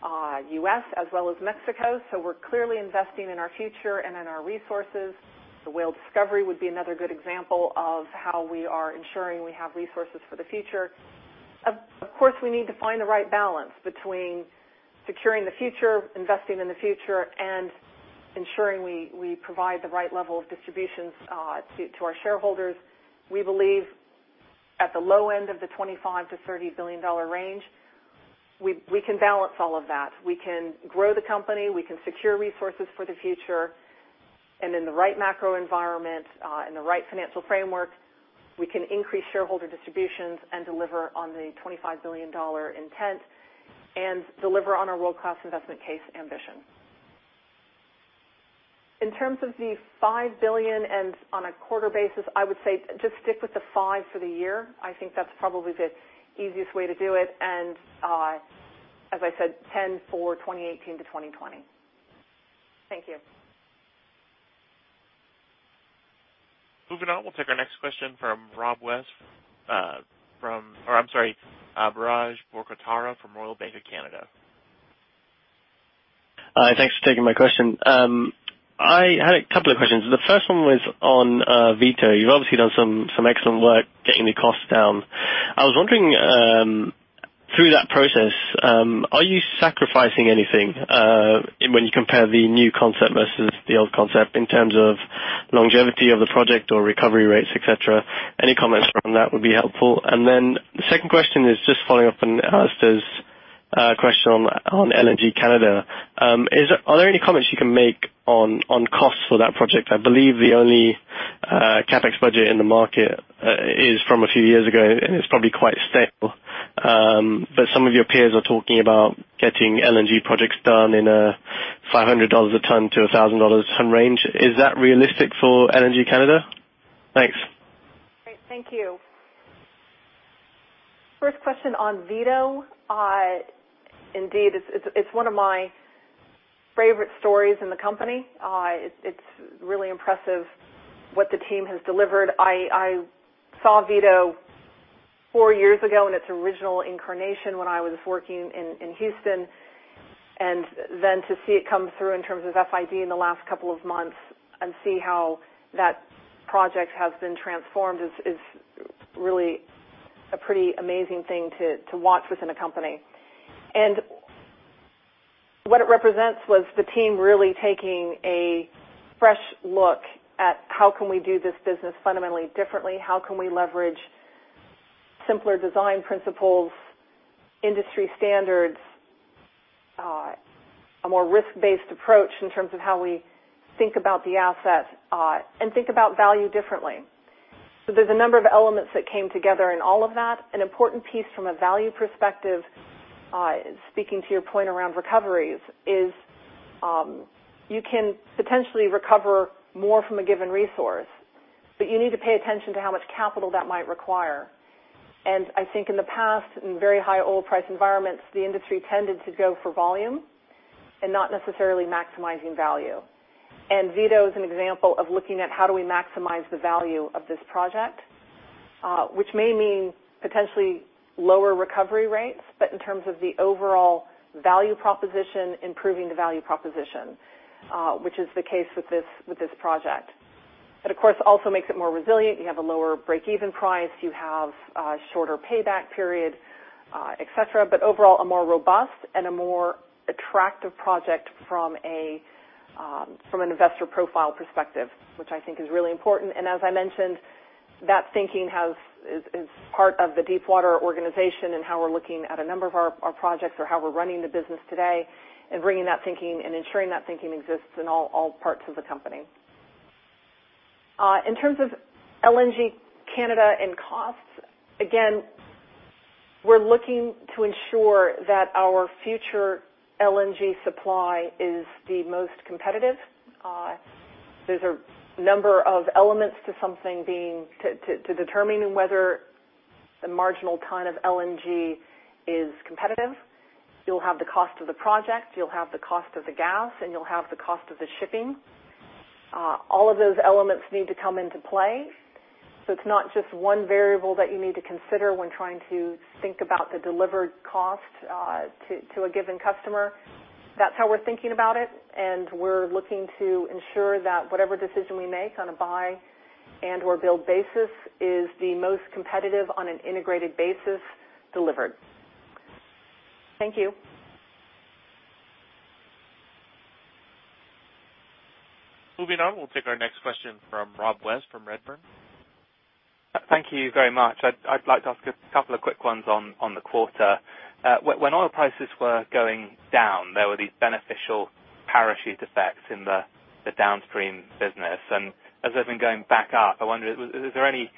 U.S., as well as Mexico. We're clearly investing in our future and in our resources. The Whale discovery would be another good example of how we are ensuring we have resources for the future. Of course, we need to find the right balance between securing the future, investing in the future, and ensuring we provide the right level of distributions to our shareholders. We believe at the low end of the $25 billion-$30 billion range, we can balance all of that. We can grow the company. We can secure resources for the future. In the right macro environment, in the right financial framework, we can increase shareholder distributions and deliver on the $25 billion intent and deliver on our world-class investment case ambition. In terms of the $5 billion and on a quarter basis, I would say just stick with the five for the year. I think that's probably the easiest way to do it. As I said, 10 for 2018 to 2020. Thank you. Moving on, we'll take our next question from Biraj Borkhataria from Royal Bank of Canada. Thanks for taking my question. I had a couple of questions. The first one was on Vito. You've obviously done some excellent work getting the costs down. I was wondering, through that process, are you sacrificing anything when you compare the new concept versus the old concept in terms of longevity of the project or recovery rates, et cetera? Any comments from that would be helpful. Then the second question is just following up on Alastair's question on LNG Canada. Are there any comments you can make on costs for that project? I believe the only CapEx budget in the market is from a few years ago, and it's probably quite stale. Some of your peers are talking about getting LNG projects done in a $500 a ton-$1,000 a ton range. Is that realistic for LNG Canada? Thanks. Great. Thank you. First question on Vito. Indeed, it's one of my favorite stories in the company. It's really impressive what the team has delivered. I saw Vito four years ago in its original incarnation when I was working in Houston, then to see it come through in terms of FID in the last couple of months and see how that project has been transformed is really a pretty amazing thing to watch within a company. What it represents was the team really taking a fresh look at how can we do this business fundamentally differently, how can we leverage simpler design principles, industry standards, a more risk-based approach in terms of how we think about the asset, and think about value differently. There's a number of elements that came together in all of that. An important piece from a value perspective, speaking to your point around recoveries, is you can potentially recover more from a given resource, but you need to pay attention to how much capital that might require. I think in the past, in very high oil price environments, the industry tended to go for volume and not necessarily maximizing value. Vito is an example of looking at how do we maximize the value of this project, which may mean potentially lower recovery rates, but in terms of the overall value proposition, improving the value proposition, which is the case with this project. It, of course, also makes it more resilient. You have a lower breakeven price. You have a shorter payback period, et cetera, but overall, a more robust and a more attractive project from an investor profile perspective, which I think is really important. As I mentioned, that thinking is part of the Deepwater organization and how we're looking at a number of our projects or how we're running the business today and bringing that thinking and ensuring that thinking exists in all parts of the company. In terms of LNG Canada and costs, again, we're looking to ensure that our future LNG supply is the most competitive. There's a number of elements to determining whether the marginal ton of LNG is competitive. You'll have the cost of the project, you'll have the cost of the gas, and you'll have the cost of the shipping. All of those elements need to come into play. It's not just one variable that you need to consider when trying to think about the delivered cost to a given customer. That's how we're thinking about it, and we're looking to ensure that whatever decision we make on a buy and/or build basis is the most competitive on an integrated basis delivered. Thank you. Moving on, we'll take our next question from Rob West from Redburn. Thank you very much. I'd like to ask a couple of quick ones on the quarter. When oil prices were going down, there were these beneficial parachute effects in the downstream business. As they've been going back up, I wonder, is there any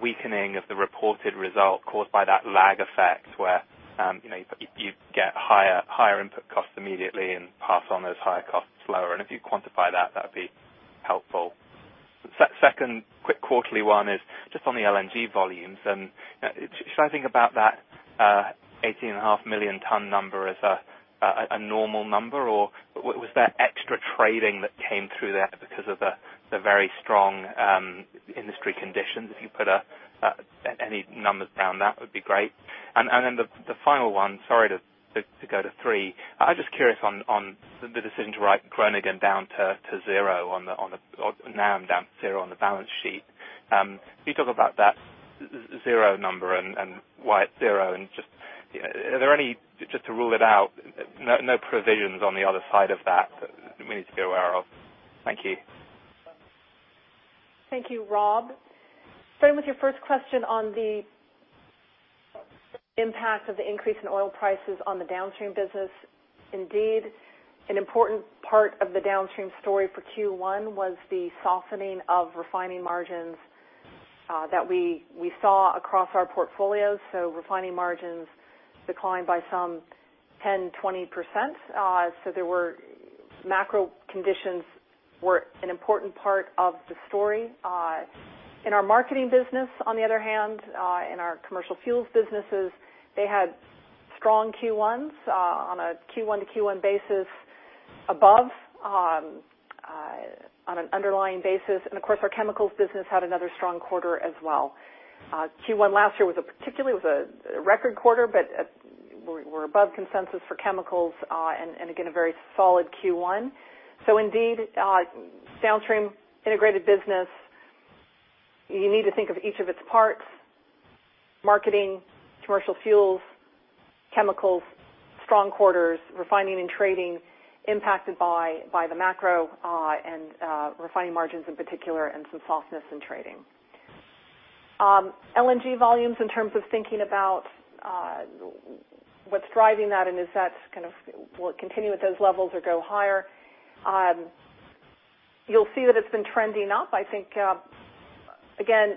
weakening of the reported result caused by that lag effect where you get higher input costs immediately and pass on those higher costs slower? If you quantify that would be helpful. Second quick quarterly one is just on the LNG volumes. Should I think about that 18.5 million tons number as a normal number, or was there extra trading that came through there because of the very strong industry conditions? If you put any numbers down, that would be great. Then the final one, sorry to go to three. I'm just curious on the decision to write Groningen down to zero on the NAM down to zero on the balance sheet. Can you talk about that zero number and why it's zero, just to rule it out, no provisions on the other side of that we need to be aware of? Thank you. Thank you, Rob. Starting with your first question on the impact of the increase in oil prices on the downstream business. Indeed, an important part of the downstream story for Q1 was the softening of refining margins that we saw across our portfolios. Refining margins declined by some 10%-20%. Macro conditions were an important part of the story. In our marketing business, on the other hand, in our commercial fuels businesses, they had strong Q1s on a Q1 to Q1 basis above. On an underlying basis. Of course, our chemicals business had another strong quarter as well. Q1 last year was a record quarter, but we're above consensus for chemicals, and again, a very solid Q1. Indeed, downstream integrated business, you need to think of each of its parts, marketing, commercial fuels, chemicals, strong quarters, refining and trading impacted by the macro and refining margins in particular, and some softness in trading. LNG volumes in terms of thinking about what's driving that, and will it continue at those levels or go higher? You'll see that it's been trending up. I think, again,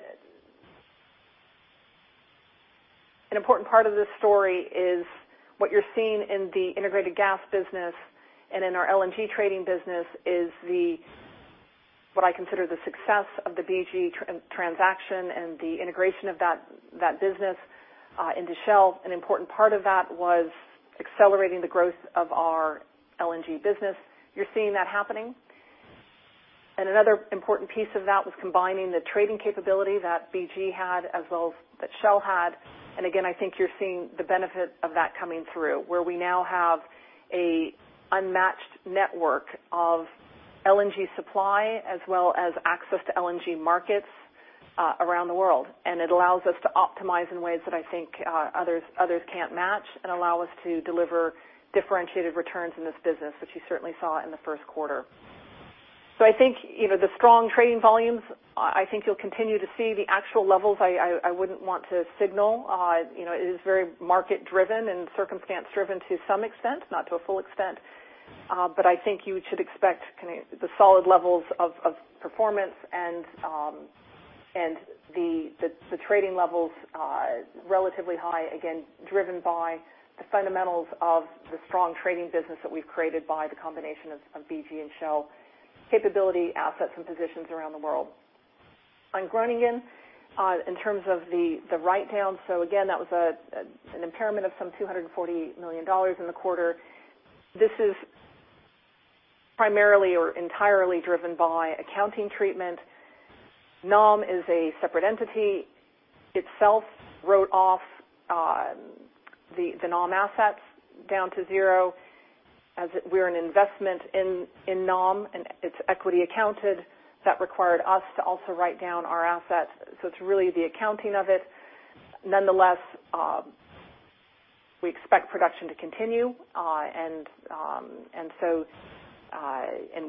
an important part of this story is what you're seeing in the integrated gas business and in our LNG trading business is what I consider the success of the BG transaction and the integration of that business into Shell. An important part of that was accelerating the growth of our LNG business. You're seeing that happening. Another important piece of that was combining the trading capability that BG had as well as that Shell had. Again, I think you're seeing the benefit of that coming through, where we now have an unmatched network of LNG supply, as well as access to LNG markets around the world. It allows us to optimize in ways that I think others can't match and allow us to deliver differentiated returns in this business, which you certainly saw in the first quarter. I think the strong trading volumes, I think you'll continue to see the actual levels. I wouldn't want to signal. It is very market-driven and circumstance-driven to some extent, not to a full extent. I think you should expect the solid levels of performance and the trading levels relatively high, again, driven by the fundamentals of the strong trading business that we've created by the combination of BG and Shell capability, assets, and positions around the world. On Groningen, in terms of the write-down, again, that was an impairment of some $240 million in the quarter. This is primarily or entirely driven by accounting treatment. NAM is a separate entity. Itself wrote off the NAM assets down to zero, as we're an investment in NAM, and it's equity accounted. That required us to also write down our assets. It's really the accounting of it. Nonetheless, we expect production to continue, and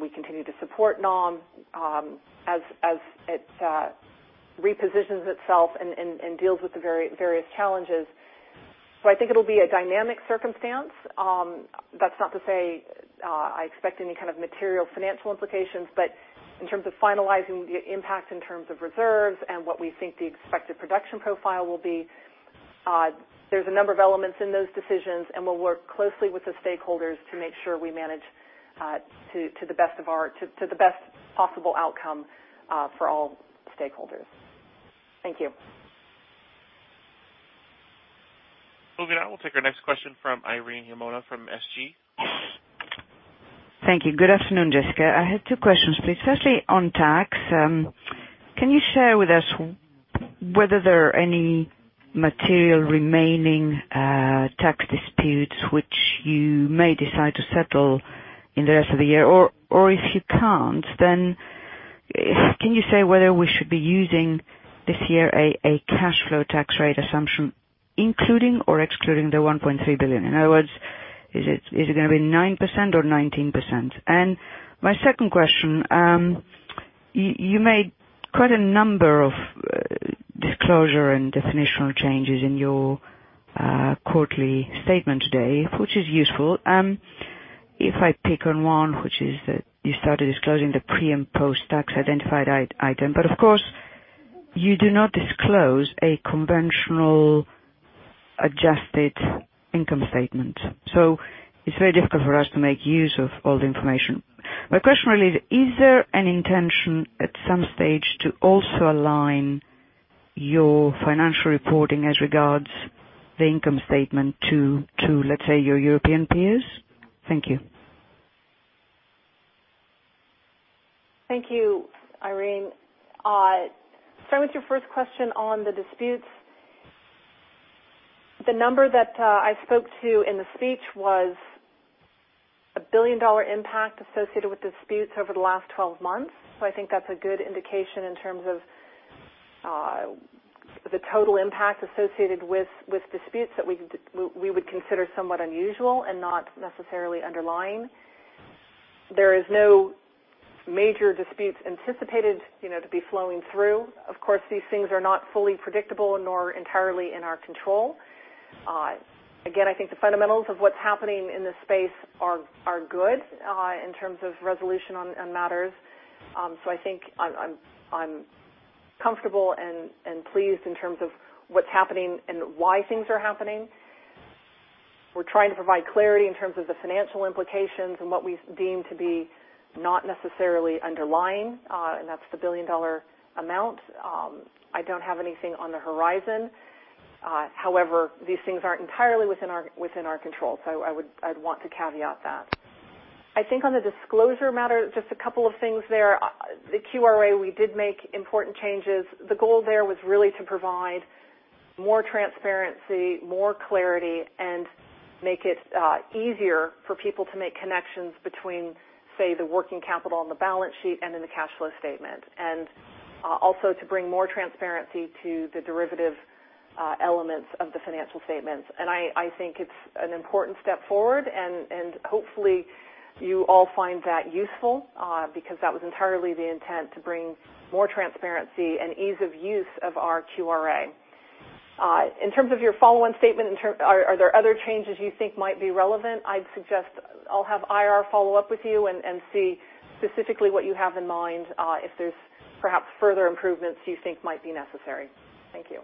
we continue to support NAM as it repositions itself and deals with the various challenges. I think it'll be a dynamic circumstance. That's not to say I expect any kind of material financial implications, in terms of finalizing the impact in terms of reserves and what we think the expected production profile will be, there's a number of elements in those decisions, we'll work closely with the stakeholders to make sure we manage to the best possible outcome for all stakeholders. Thank you. Moving on, we'll take our next question from Irene Himona from SG. Thank you. Good afternoon, Jessica. I have two questions, please. Firstly, on tax, can you share with us whether there are any material remaining tax disputes which you may decide to settle in the rest of the year? If you can't, then can you say whether we should be using this year a cash flow tax rate assumption including or excluding the $1.3 billion? In other words, is it going to be 9% or 19%? My second question, you made quite a number of disclosure and definitional changes in your quarterly statement today, which is useful. If I pick on one, which is that you started disclosing the pre- and post-tax identified item, but of course, you do not disclose a conventional adjusted income statement. It's very difficult for us to make use of all the information. My question really is: Is there an intention at some stage to also align your financial reporting as regards the income statement to, let's say, your European peers? Thank you. Thank you, Irene. Start with your first question on the disputes. The number that I spoke to in the speech was a billion-dollar impact associated with disputes over the last 12 months. I think that's a good indication in terms of the total impact associated with disputes that we would consider somewhat unusual and not necessarily underlying. There is no major disputes anticipated to be flowing through. Of course, these things are not fully predictable nor entirely in our control. Again, I think the fundamentals of what's happening in this space are good in terms of resolution on matters. I think I'm comfortable and pleased in terms of what's happening and why things are happening. We're trying to provide clarity in terms of the financial implications and what we deem to be not necessarily underlying, and that's the billion-dollar amount. I don't have anything on the horizon. However, these things aren't entirely within our control. I'd want to caveat that. I think on the disclosure matter, just a couple of things there. The QRA, we did make important changes. The goal there was really to provide more transparency, more clarity, and make it easier for people to make connections between, say, the working capital on the balance sheet and in the cash flow statement, and also to bring more transparency to the derivative elements of the financial statements. I think it's an important step forward, and hopefully you all find that useful, because that was entirely the intent, to bring more transparency and ease of use of our QRA. In terms of your follow-on statement, are there other changes you think might be relevant? I'd suggest I'll have IR follow up with you and see specifically what you have in mind, if there's perhaps further improvements you think might be necessary. Thank you.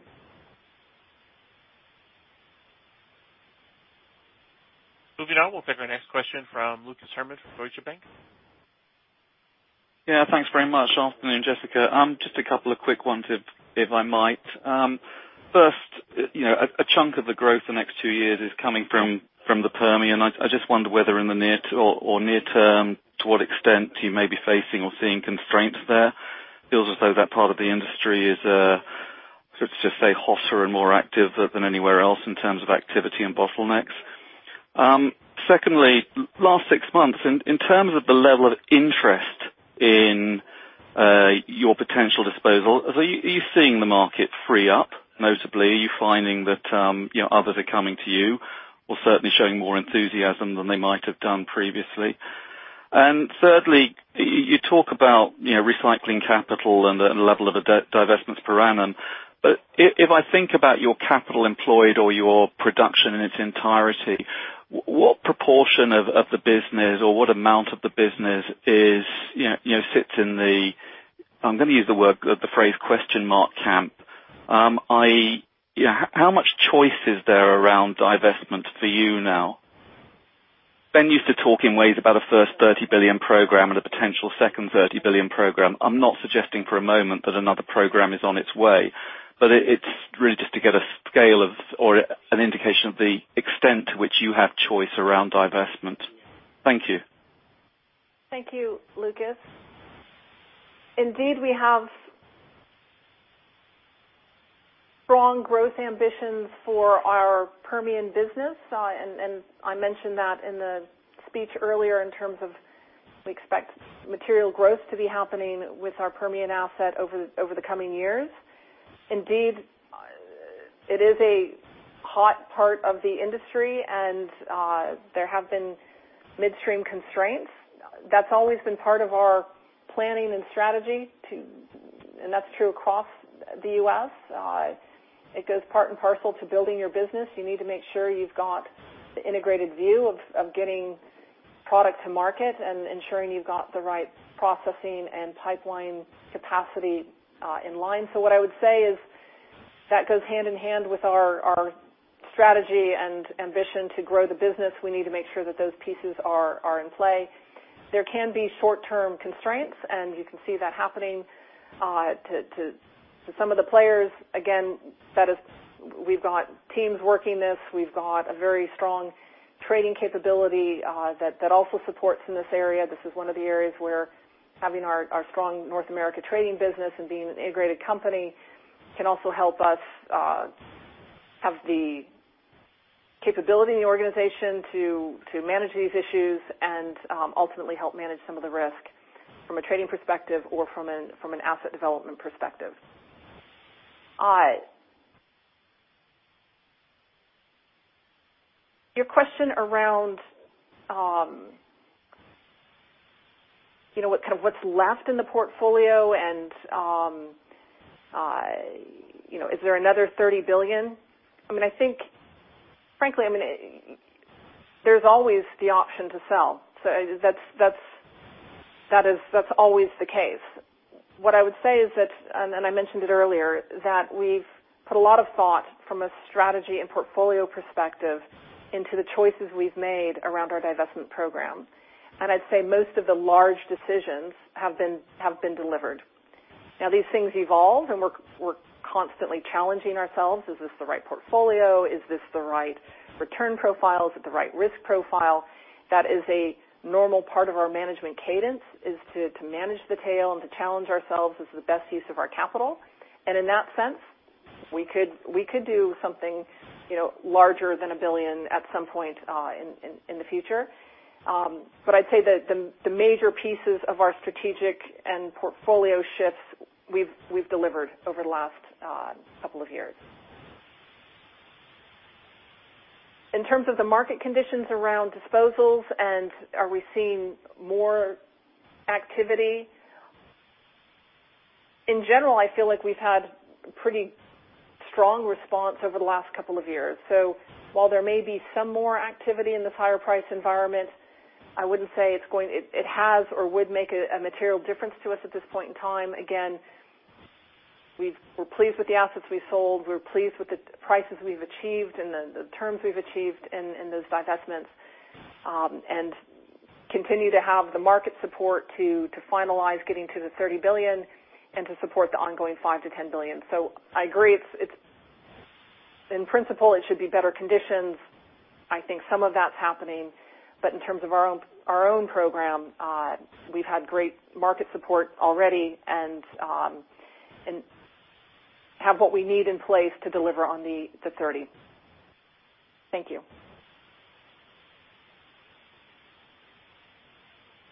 Moving on. We'll take our next question from Lucas Herrmann from Deutsche Bank. Yeah, thanks very much. Afternoon, Jessica. Just a couple of quick ones, if I might. First, a chunk of the growth the next 2 years is coming from the Permian. I just wonder whether in the near or near term, to what extent you may be facing or seeing constraints there. Feels as though that part of the industry is, let's just say, hotter and more active than anywhere else in terms of activity and bottlenecks. Secondly, last 6 months, in terms of the level of interest in your potential disposal, are you seeing the market free up notably? Are you finding that others are coming to you or certainly showing more enthusiasm than they might have done previously? Thirdly, you talk about recycling capital and the level of divestments per annum. If I think about your capital employed or your production in its entirety, what proportion of the business or what amount of the business sits in the, I'm going to use the phrase question mark camp? How much choice is there around divestment for you now? Ben used to talk in ways about a first $30 billion program and a potential second $30 billion program. I'm not suggesting for a moment that another program is on its way, it's really just to get a scale of or an indication of the extent to which you have choice around divestment. Thank you. Thank you, Lucas. Indeed, we have strong growth ambitions for our Permian business. I mentioned that in the speech earlier in terms of we expect material growth to be happening with our Permian asset over the coming years. Indeed, it is a hot part of the industry, and there have been midstream constraints. That's always been part of our planning and strategy, and that's true across the U.S. It goes part and parcel to building your business. You need to make sure you've got the integrated view of getting product to market and ensuring you've got the right processing and pipeline capacity in line. What I would say is that goes hand in hand with our strategy and ambition to grow the business. We need to make sure that those pieces are in play. There can be short-term constraints, and you can see that happening to some of the players. Again, we've got teams working this. We've got a very strong trading capability that also supports in this area. This is one of the areas where having our strong North America trading business and being an integrated company can also help us have the capability in the organization to manage these issues and ultimately help manage some of the risk from a trading perspective or from an asset development perspective. Your question around what's left in the portfolio and is there another $30 billion? Frankly, there's always the option to sell. That's always the case. What I would say is that, and I mentioned it earlier, that we've put a lot of thought from a strategy and portfolio perspective into the choices we've made around our divestment program. I'd say most of the large decisions have been delivered. Now, these things evolve, and we're constantly challenging ourselves. Is this the right portfolio? Is this the right return profile? Is it the right risk profile? That is a normal part of our management cadence, is to manage the tail and to challenge ourselves as the best use of our capital. In that sense, we could do something larger than $1 billion at some point in the future. I'd say that the major pieces of our strategic and portfolio shifts we've delivered over the last couple of years. In terms of the market conditions around disposals and are we seeing more activity? In general, I feel like we've had pretty strong response over the last couple of years. While there may be some more activity in the higher price environment, I wouldn't say it has or would make a material difference to us at this point in time. Again, we're pleased with the assets we sold. We're pleased with the prices we've achieved and the terms we've achieved in those divestments. Continue to have the market support to finalize getting to the $30 billion and to support the ongoing $5 billion-$10 billion. I agree, in principle, it should be better conditions. I think some of that's happening, but in terms of our own program, we've had great market support already and have what we need in place to deliver on the $30 billion. Thank you.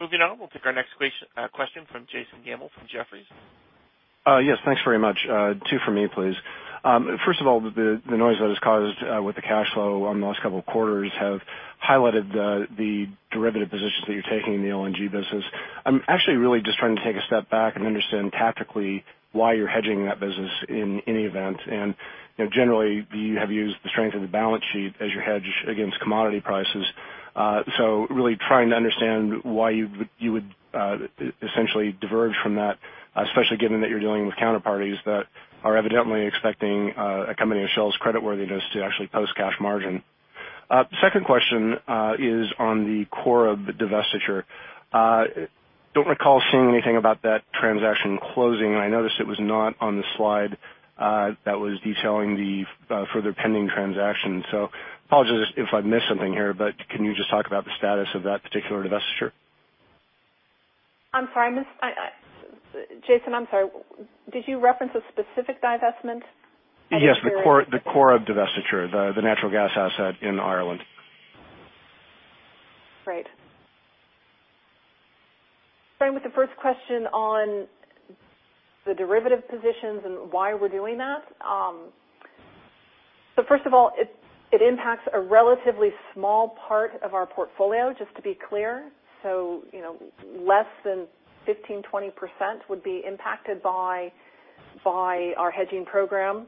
Moving on. We'll take our next question from Jason Gammel from Jefferies. Yes, thanks very much. Two from me, please. First of all, the noise that is caused with the cash flow on the last couple of quarters have highlighted the derivative positions that you're taking in the LNG business. I'm actually really just trying to take a step back and understand tactically why you're hedging that business in any event. Generally, you have used the strength of the balance sheet as your hedge against commodity prices. Really trying to understand why you would essentially diverge from that, especially given that you're dealing with counterparties that are evidently expecting a company of Shell's creditworthiness to actually post cash margin. Second question is on the Corrib divestiture. Don't recall seeing anything about that transaction closing. I noticed it was not on the slide that was detailing the further pending transaction. Apologies if I missed something here, but can you just talk about the status of that particular divestiture? I'm sorry, Jason, did you reference a specific divestment? Yes. The Corrib divestiture, the natural gas asset in Ireland. Right. Starting with the first question on the derivative positions and why we're doing that. First of all, it impacts a relatively small part of our portfolio, just to be clear. Less than 15%-20% would be impacted by our hedging program.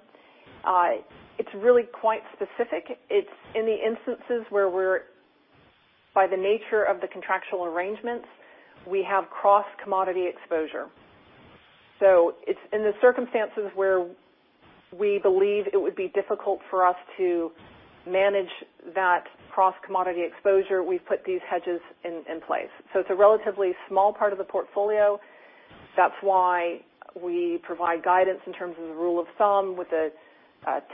It's really quite specific. It's in the instances where we're, by the nature of the contractual arrangements, we have cross-commodity exposure. It's in the circumstances where we believe it would be difficult for us to manage that cross-commodity exposure. We've put these hedges in place. It's a relatively small part of the portfolio. That's why we provide guidance in terms of the rule of thumb. With a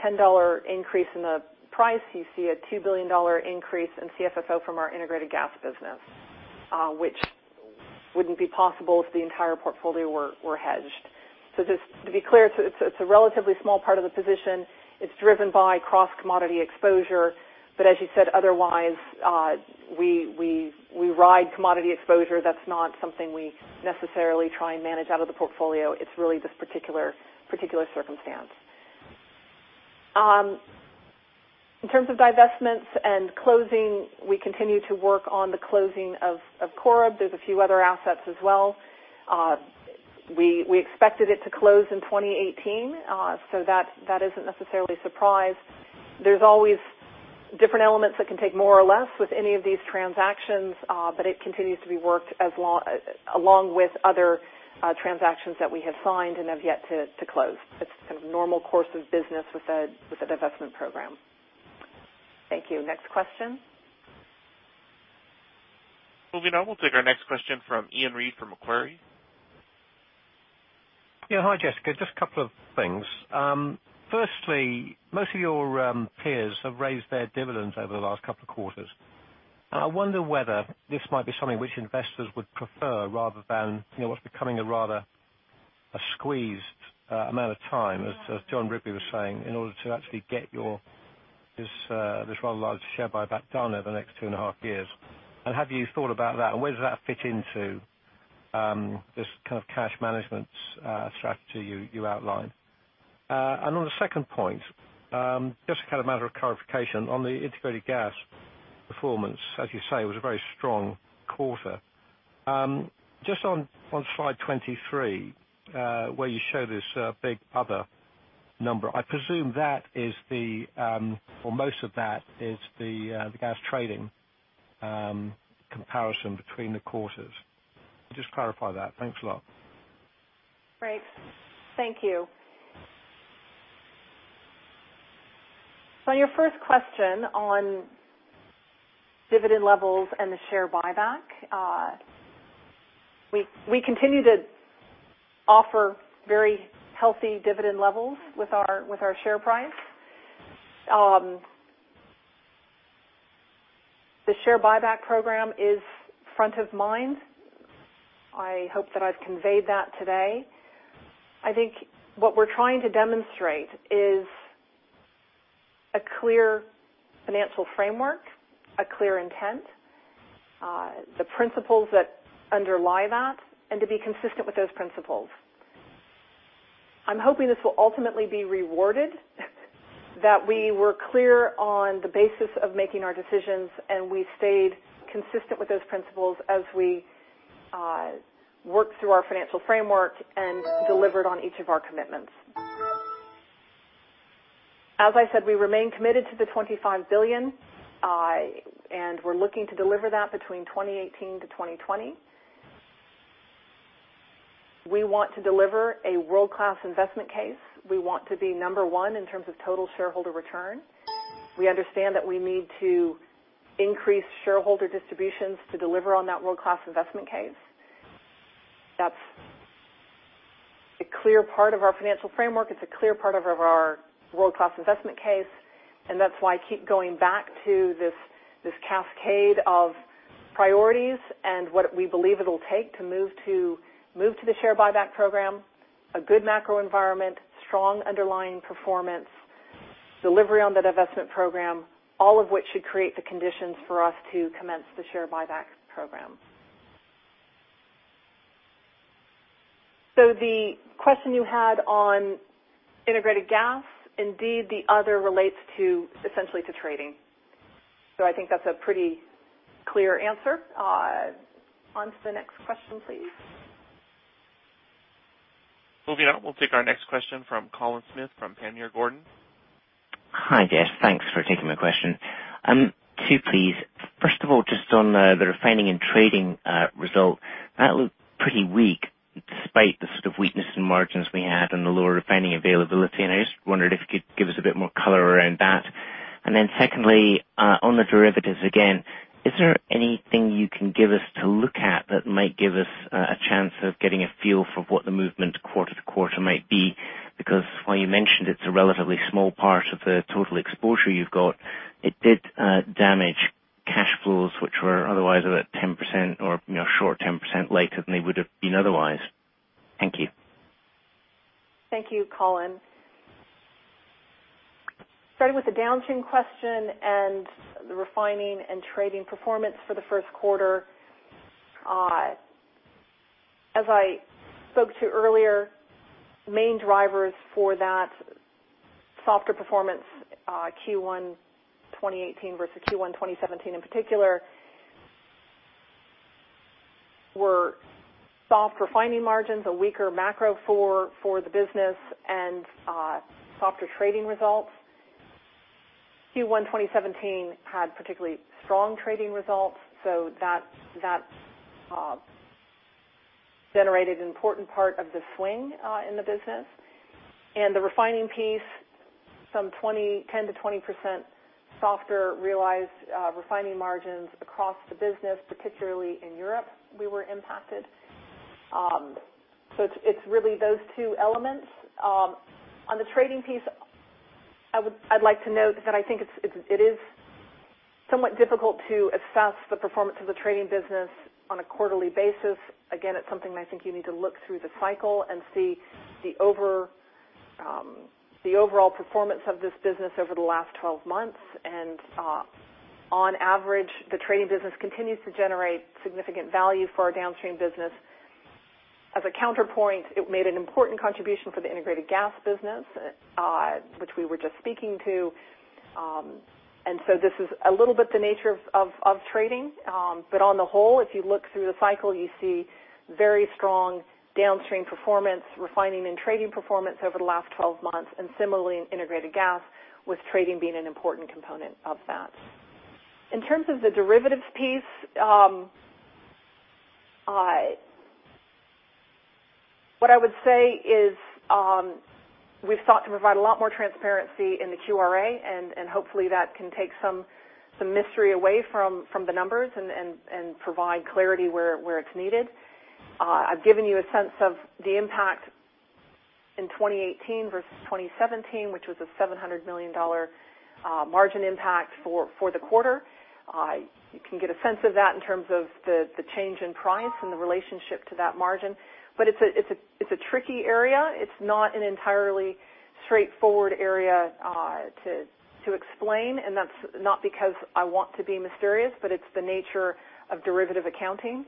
$10 increase in the price, you see a $2 billion increase in CFFO from our integrated gas business, which wouldn't be possible if the entire portfolio were hedged. Just to be clear, it's a relatively small part of the position. It's driven by cross-commodity exposure. As you said, otherwise, we ride commodity exposure. That's not something we necessarily try and manage out of the portfolio. It's really this particular circumstance. In terms of divestments and closing, we continue to work on the closing of Corrib. There's a few other assets as well. We expected it to close in 2018, so that isn't necessarily a surprise. There's always different elements that can take more or less with any of these transactions, but it continues to be worked along with other transactions that we have signed and have yet to close. It's kind of normal course of business with a divestment program. Thank you. Next question. Moving on. We'll take our next question from Iain Reid from Macquarie. Yeah. Hi, Jessica. Just a couple of things. Firstly, most of your peers have raised their dividends over the last couple of quarters. I wonder whether this might be something which investors would prefer rather than what's becoming a rather a squeezed amount of time, as Jon Rigby was saying, in order to actually get this rather large share buyback done over the next two and a half years. Have you thought about that? Where does that fit into this kind of cash management strategy you outlined? On a second point, just a kind of matter of clarification on the integrated gas performance, as you say, it was a very strong quarter. Just on slide 23, where you show this big other number, I presume that is the, or most of that is the gas trading comparison between the quarters. Just clarify that. Thanks a lot. Great. Thank you. On your first question on dividend levels and the share buyback, we continue to offer very healthy dividend levels with our share price. The share buyback program is front of mind. I hope that I've conveyed that today. I think what we're trying to demonstrate is a clear financial framework, a clear intent, the principles that underlie that, and to be consistent with those principles. I'm hoping this will ultimately be rewarded, that we were clear on the basis of making our decisions, and we stayed consistent with those principles as we work through our financial framework and delivered on each of our commitments. As I said, we remain committed to the $25 billion, and we're looking to deliver that between 2018 to 2020. We want to deliver a world-class investment case. We want to be number 1 in terms of total shareholder return. We understand that we need to increase shareholder distributions to deliver on that world-class investment case. That's a clear part of our financial framework. It's a clear part of our world-class investment case, and that's why I keep going back to this cascade of priorities and what we believe it'll take to move to the share buyback program, a good macro environment, strong underlying performance, delivery on the divestment program, all of which should create the conditions for us to commence the share buyback program. The question you had on integrated gas, indeed, the other relates essentially to trading. I think that's a pretty clear answer. On to the next question, please. Moving on, we'll take our next question from Colin Smith from Panmure Gordon. Hi, Jess. Thanks for taking my question. Two, please. First of all, just on the refining and trading result, that looked pretty weak despite the sort of weakness in margins we had and the lower refining availability, and I just wondered if you could give us a bit more color around that. Secondly, on the derivatives again, is there anything you can give us to look at that might give us a chance of getting a feel for what the movement quarter-to-quarter might be? Because while you mentioned it's a relatively small part of the total exposure you've got, it did damage cash flows, which were otherwise over 10% or short 10% later than they would've been otherwise. Thank you. Thank you, Colin. Starting with the downstream question and the refining and trading performance for the first quarter. As I spoke to earlier, main drivers for that softer performance Q1 2018 versus Q1 2017 in particular were soft refining margins, a weaker macro for the business and softer trading results. Q1 2017 had particularly strong trading results, so that generated an important part of the swing in the business. The refining piece, some 10%-20% softer realized refining margins across the business, particularly in Europe, we were impacted. It's really those two elements. On the trading piece, I'd like to note that I think it is somewhat difficult to assess the performance of the trading business on a quarterly basis. Again, it's something that I think you need to look through the cycle and see the overall performance of this business over the last 12 months. On average, the trading business continues to generate significant value for our downstream business. As a counterpoint, it made an important contribution for the integrated gas business, which we were just speaking to. This is a little bit the nature of trading. On the whole, if you look through the cycle, you see very strong downstream performance, refining and trading performance over the last 12 months, and similarly in integrated gas, with trading being an important component of that. In terms of the derivatives piece, what I would say is we've sought to provide a lot more transparency in the QRA, and hopefully that can take some mystery away from the numbers and provide clarity where it's needed. I've given you a sense of the impact in 2018 versus 2017, which was a $700 million margin impact for the quarter. You can get a sense of that in terms of the change in price and the relationship to that margin. It's a tricky area. It's not an entirely straightforward area to explain, and that's not because I want to be mysterious, but it's the nature of derivative accounting.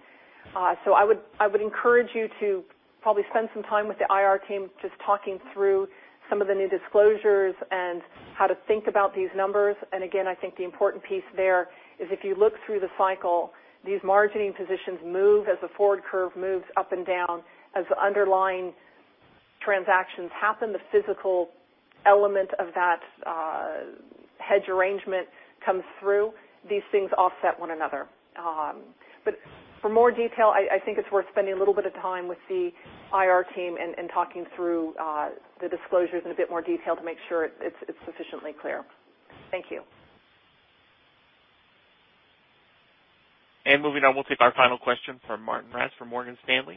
I would encourage you to probably spend some time with the IR team just talking through some of the new disclosures and how to think about these numbers. Again, I think the important piece there is if you look through the cycle, these margining positions move as the forward curve moves up and down. As the underlying transactions happen, the physical element of that hedge arrangement comes through. These things offset one another. For more detail, I think it's worth spending a little bit of time with the IR team and talking through the disclosures in a bit more detail to make sure it's sufficiently clear. Thank you. Moving on, we'll take our final question from Martijn Rats from Morgan Stanley.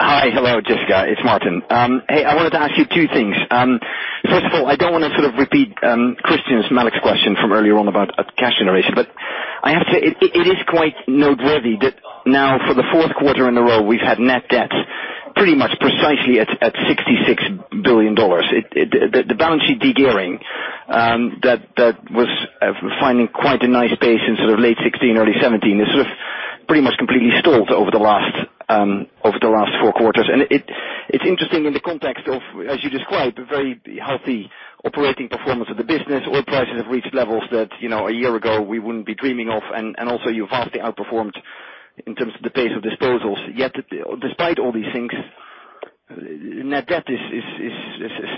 Hi. Hello, Jessica. It's Martijn. Hey, I wanted to ask you two things. First of all, I don't want to sort of repeat Christyan Malek's question from earlier on about cash generation, but I have to say, it is quite noteworthy that now for the fourth quarter in a row, we've had net debt pretty much precisely at $66 billion. The balance sheet de-gearing that was finding quite a nice pace in sort of late 2016, early 2017, has sort of pretty much completely stalled over the last four quarters. It's interesting in the context of, as you described, a very healthy operating performance of the business. Oil prices have reached levels that a year ago we wouldn't be dreaming of, and also you've vastly outperformed in terms of the pace of disposals. Yet despite all these things, Net debt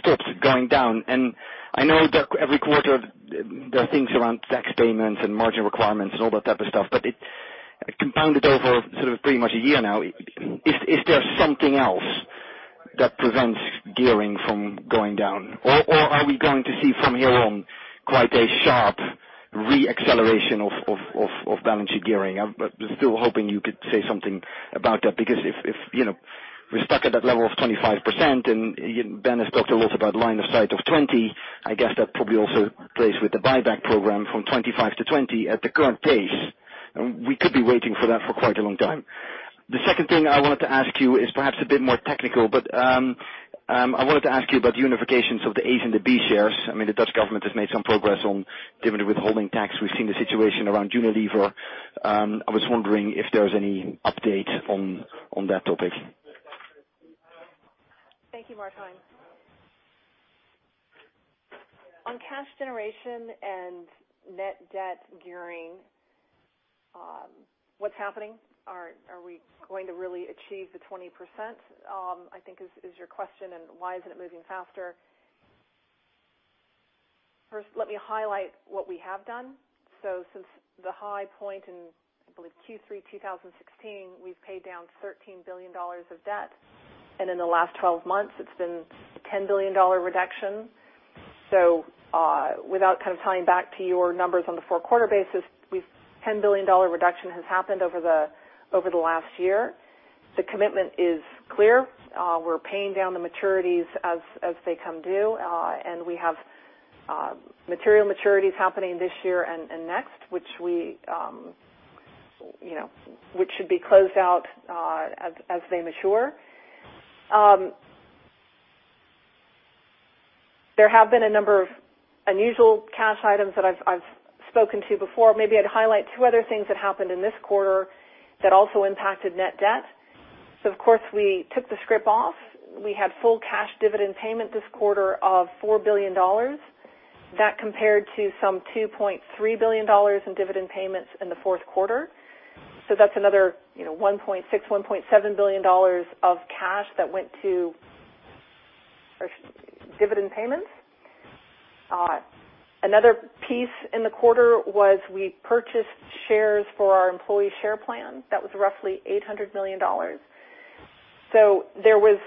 stops going down. I know every quarter there are things around tax payments and margin requirements and all that type of stuff, but compounded over sort of pretty much a year now, is there something else that prevents gearing from going down? Or are we going to see from here on quite a sharp re-acceleration of balanced gearing? I'm still hoping you could say something about that, because if we're stuck at that level of 25% and Ben has talked a lot about line of sight of 20%, I guess that probably also plays with the buyback program from 25% to 20% at the current pace. We could be waiting for that for quite a long time. The second thing I wanted to ask you is perhaps a bit more technical, but I wanted to ask you about unifications of the A and the B shares. I mean, the Dutch government has made some progress on dividend withholding tax. We've seen the situation around Unilever. I was wondering if there's any update on that topic. Thank you, Martijn. On cash generation and net debt gearing, what's happening? Are we going to really achieve the 20% I think is your question, and why isn't it moving faster? First, let me highlight what we have done. Since the high point in, I believe, Q3 2016, we've paid down $13 billion of debt, and in the last 12 months, it's been a $10 billion reduction. Without kind of tying back to your numbers on the four-quarter basis, $10 billion reduction has happened over the last year. The commitment is clear. We're paying down the maturities as they come due. We have material maturities happening this year and next, which should be closed out as they mature. There have been a number of unusual cash items that I've spoken to before. Maybe I'd highlight two other things that happened in this quarter that also impacted net debt. Of course, we took the scrip off. We had full cash dividend payment this quarter of $4 billion. That compared to some $2.3 billion in dividend payments in the fourth quarter. That's another $1.6 billion, $1.7 billion of cash that went to dividend payments. Another piece in the quarter was we purchased shares for our employee share plan. That was roughly $800 million. There was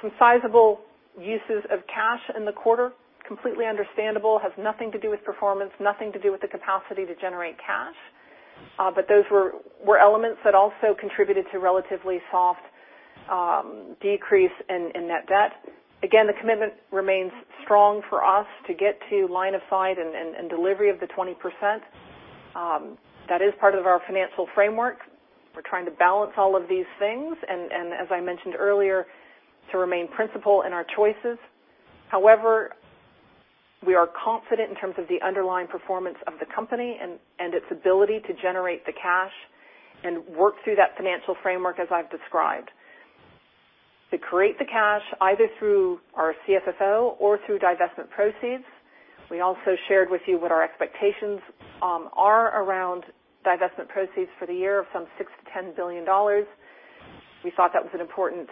some sizable uses of cash in the quarter, completely understandable, has nothing to do with performance, nothing to do with the capacity to generate cash. Those were elements that also contributed to relatively soft decrease in net debt. Again, the commitment remains strong for us to get to line of sight and delivery of the 20%. That is part of our financial framework. We're trying to balance all of these things and, as I mentioned earlier, to remain principled in our choices. However, we are confident in terms of the underlying performance of the company and its ability to generate the cash and work through that financial framework as I've described. To create the cash, either through our CFFO or through divestment proceeds, we also shared with you what our expectations are around divestment proceeds for the year of some $6 billion-$10 billion. We thought that was an important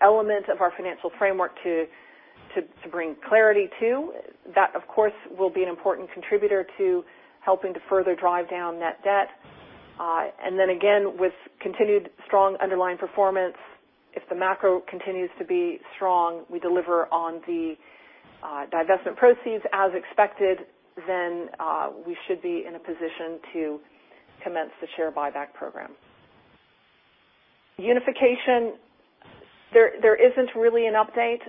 element of our financial framework to bring clarity to. That, of course, will be an important contributor to helping to further drive down net debt. Then again, with continued strong underlying performance, if the macro continues to be strong, we deliver on the divestment proceeds as expected, we should be in a position to commence the share buyback program. Unification, there isn't really an update.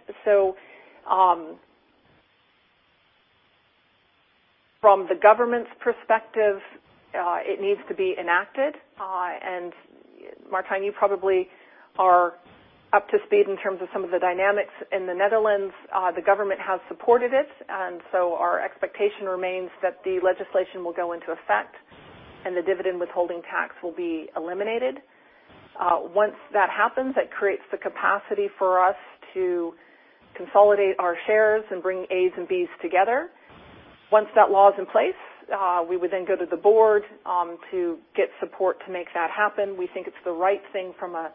From the government's perspective, it needs to be enacted. Martijn, you probably are up to speed in terms of some of the dynamics in the Netherlands. Our expectation remains that the legislation will go into effect and the dividend withholding tax will be eliminated. Once that happens, that creates the capacity for us to consolidate our shares and bring As and Bs together. Once that law is in place, we would then go to the board to get support to make that happen. We think it's the right thing from a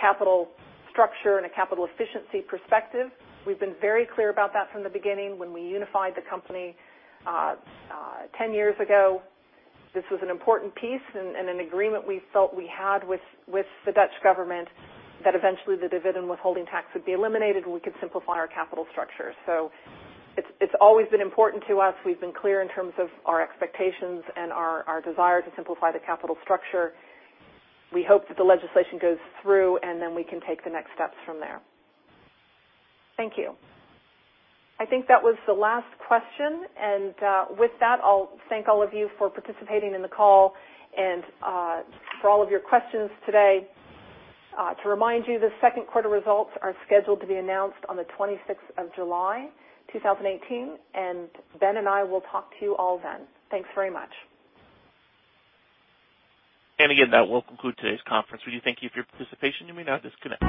capital structure and a capital efficiency perspective. We've been very clear about that from the beginning when we unified the company 10 years ago. This was an important piece and an agreement we felt we had with the Dutch government that eventually the dividend withholding tax would be eliminated, and we could simplify our capital structure. It's always been important to us. We've been clear in terms of our expectations and our desire to simplify the capital structure. We hope that the legislation goes through, then we can take the next steps from there. Thank you. I think that was the last question. With that, I'll thank all of you for participating in the call and for all of your questions today. To remind you, the second quarter results are scheduled to be announced on the 26th of July 2018, and Ben and I will talk to you all then. Thanks very much. Again, that will conclude today's conference. We do thank you for your participation. You may now disconnect.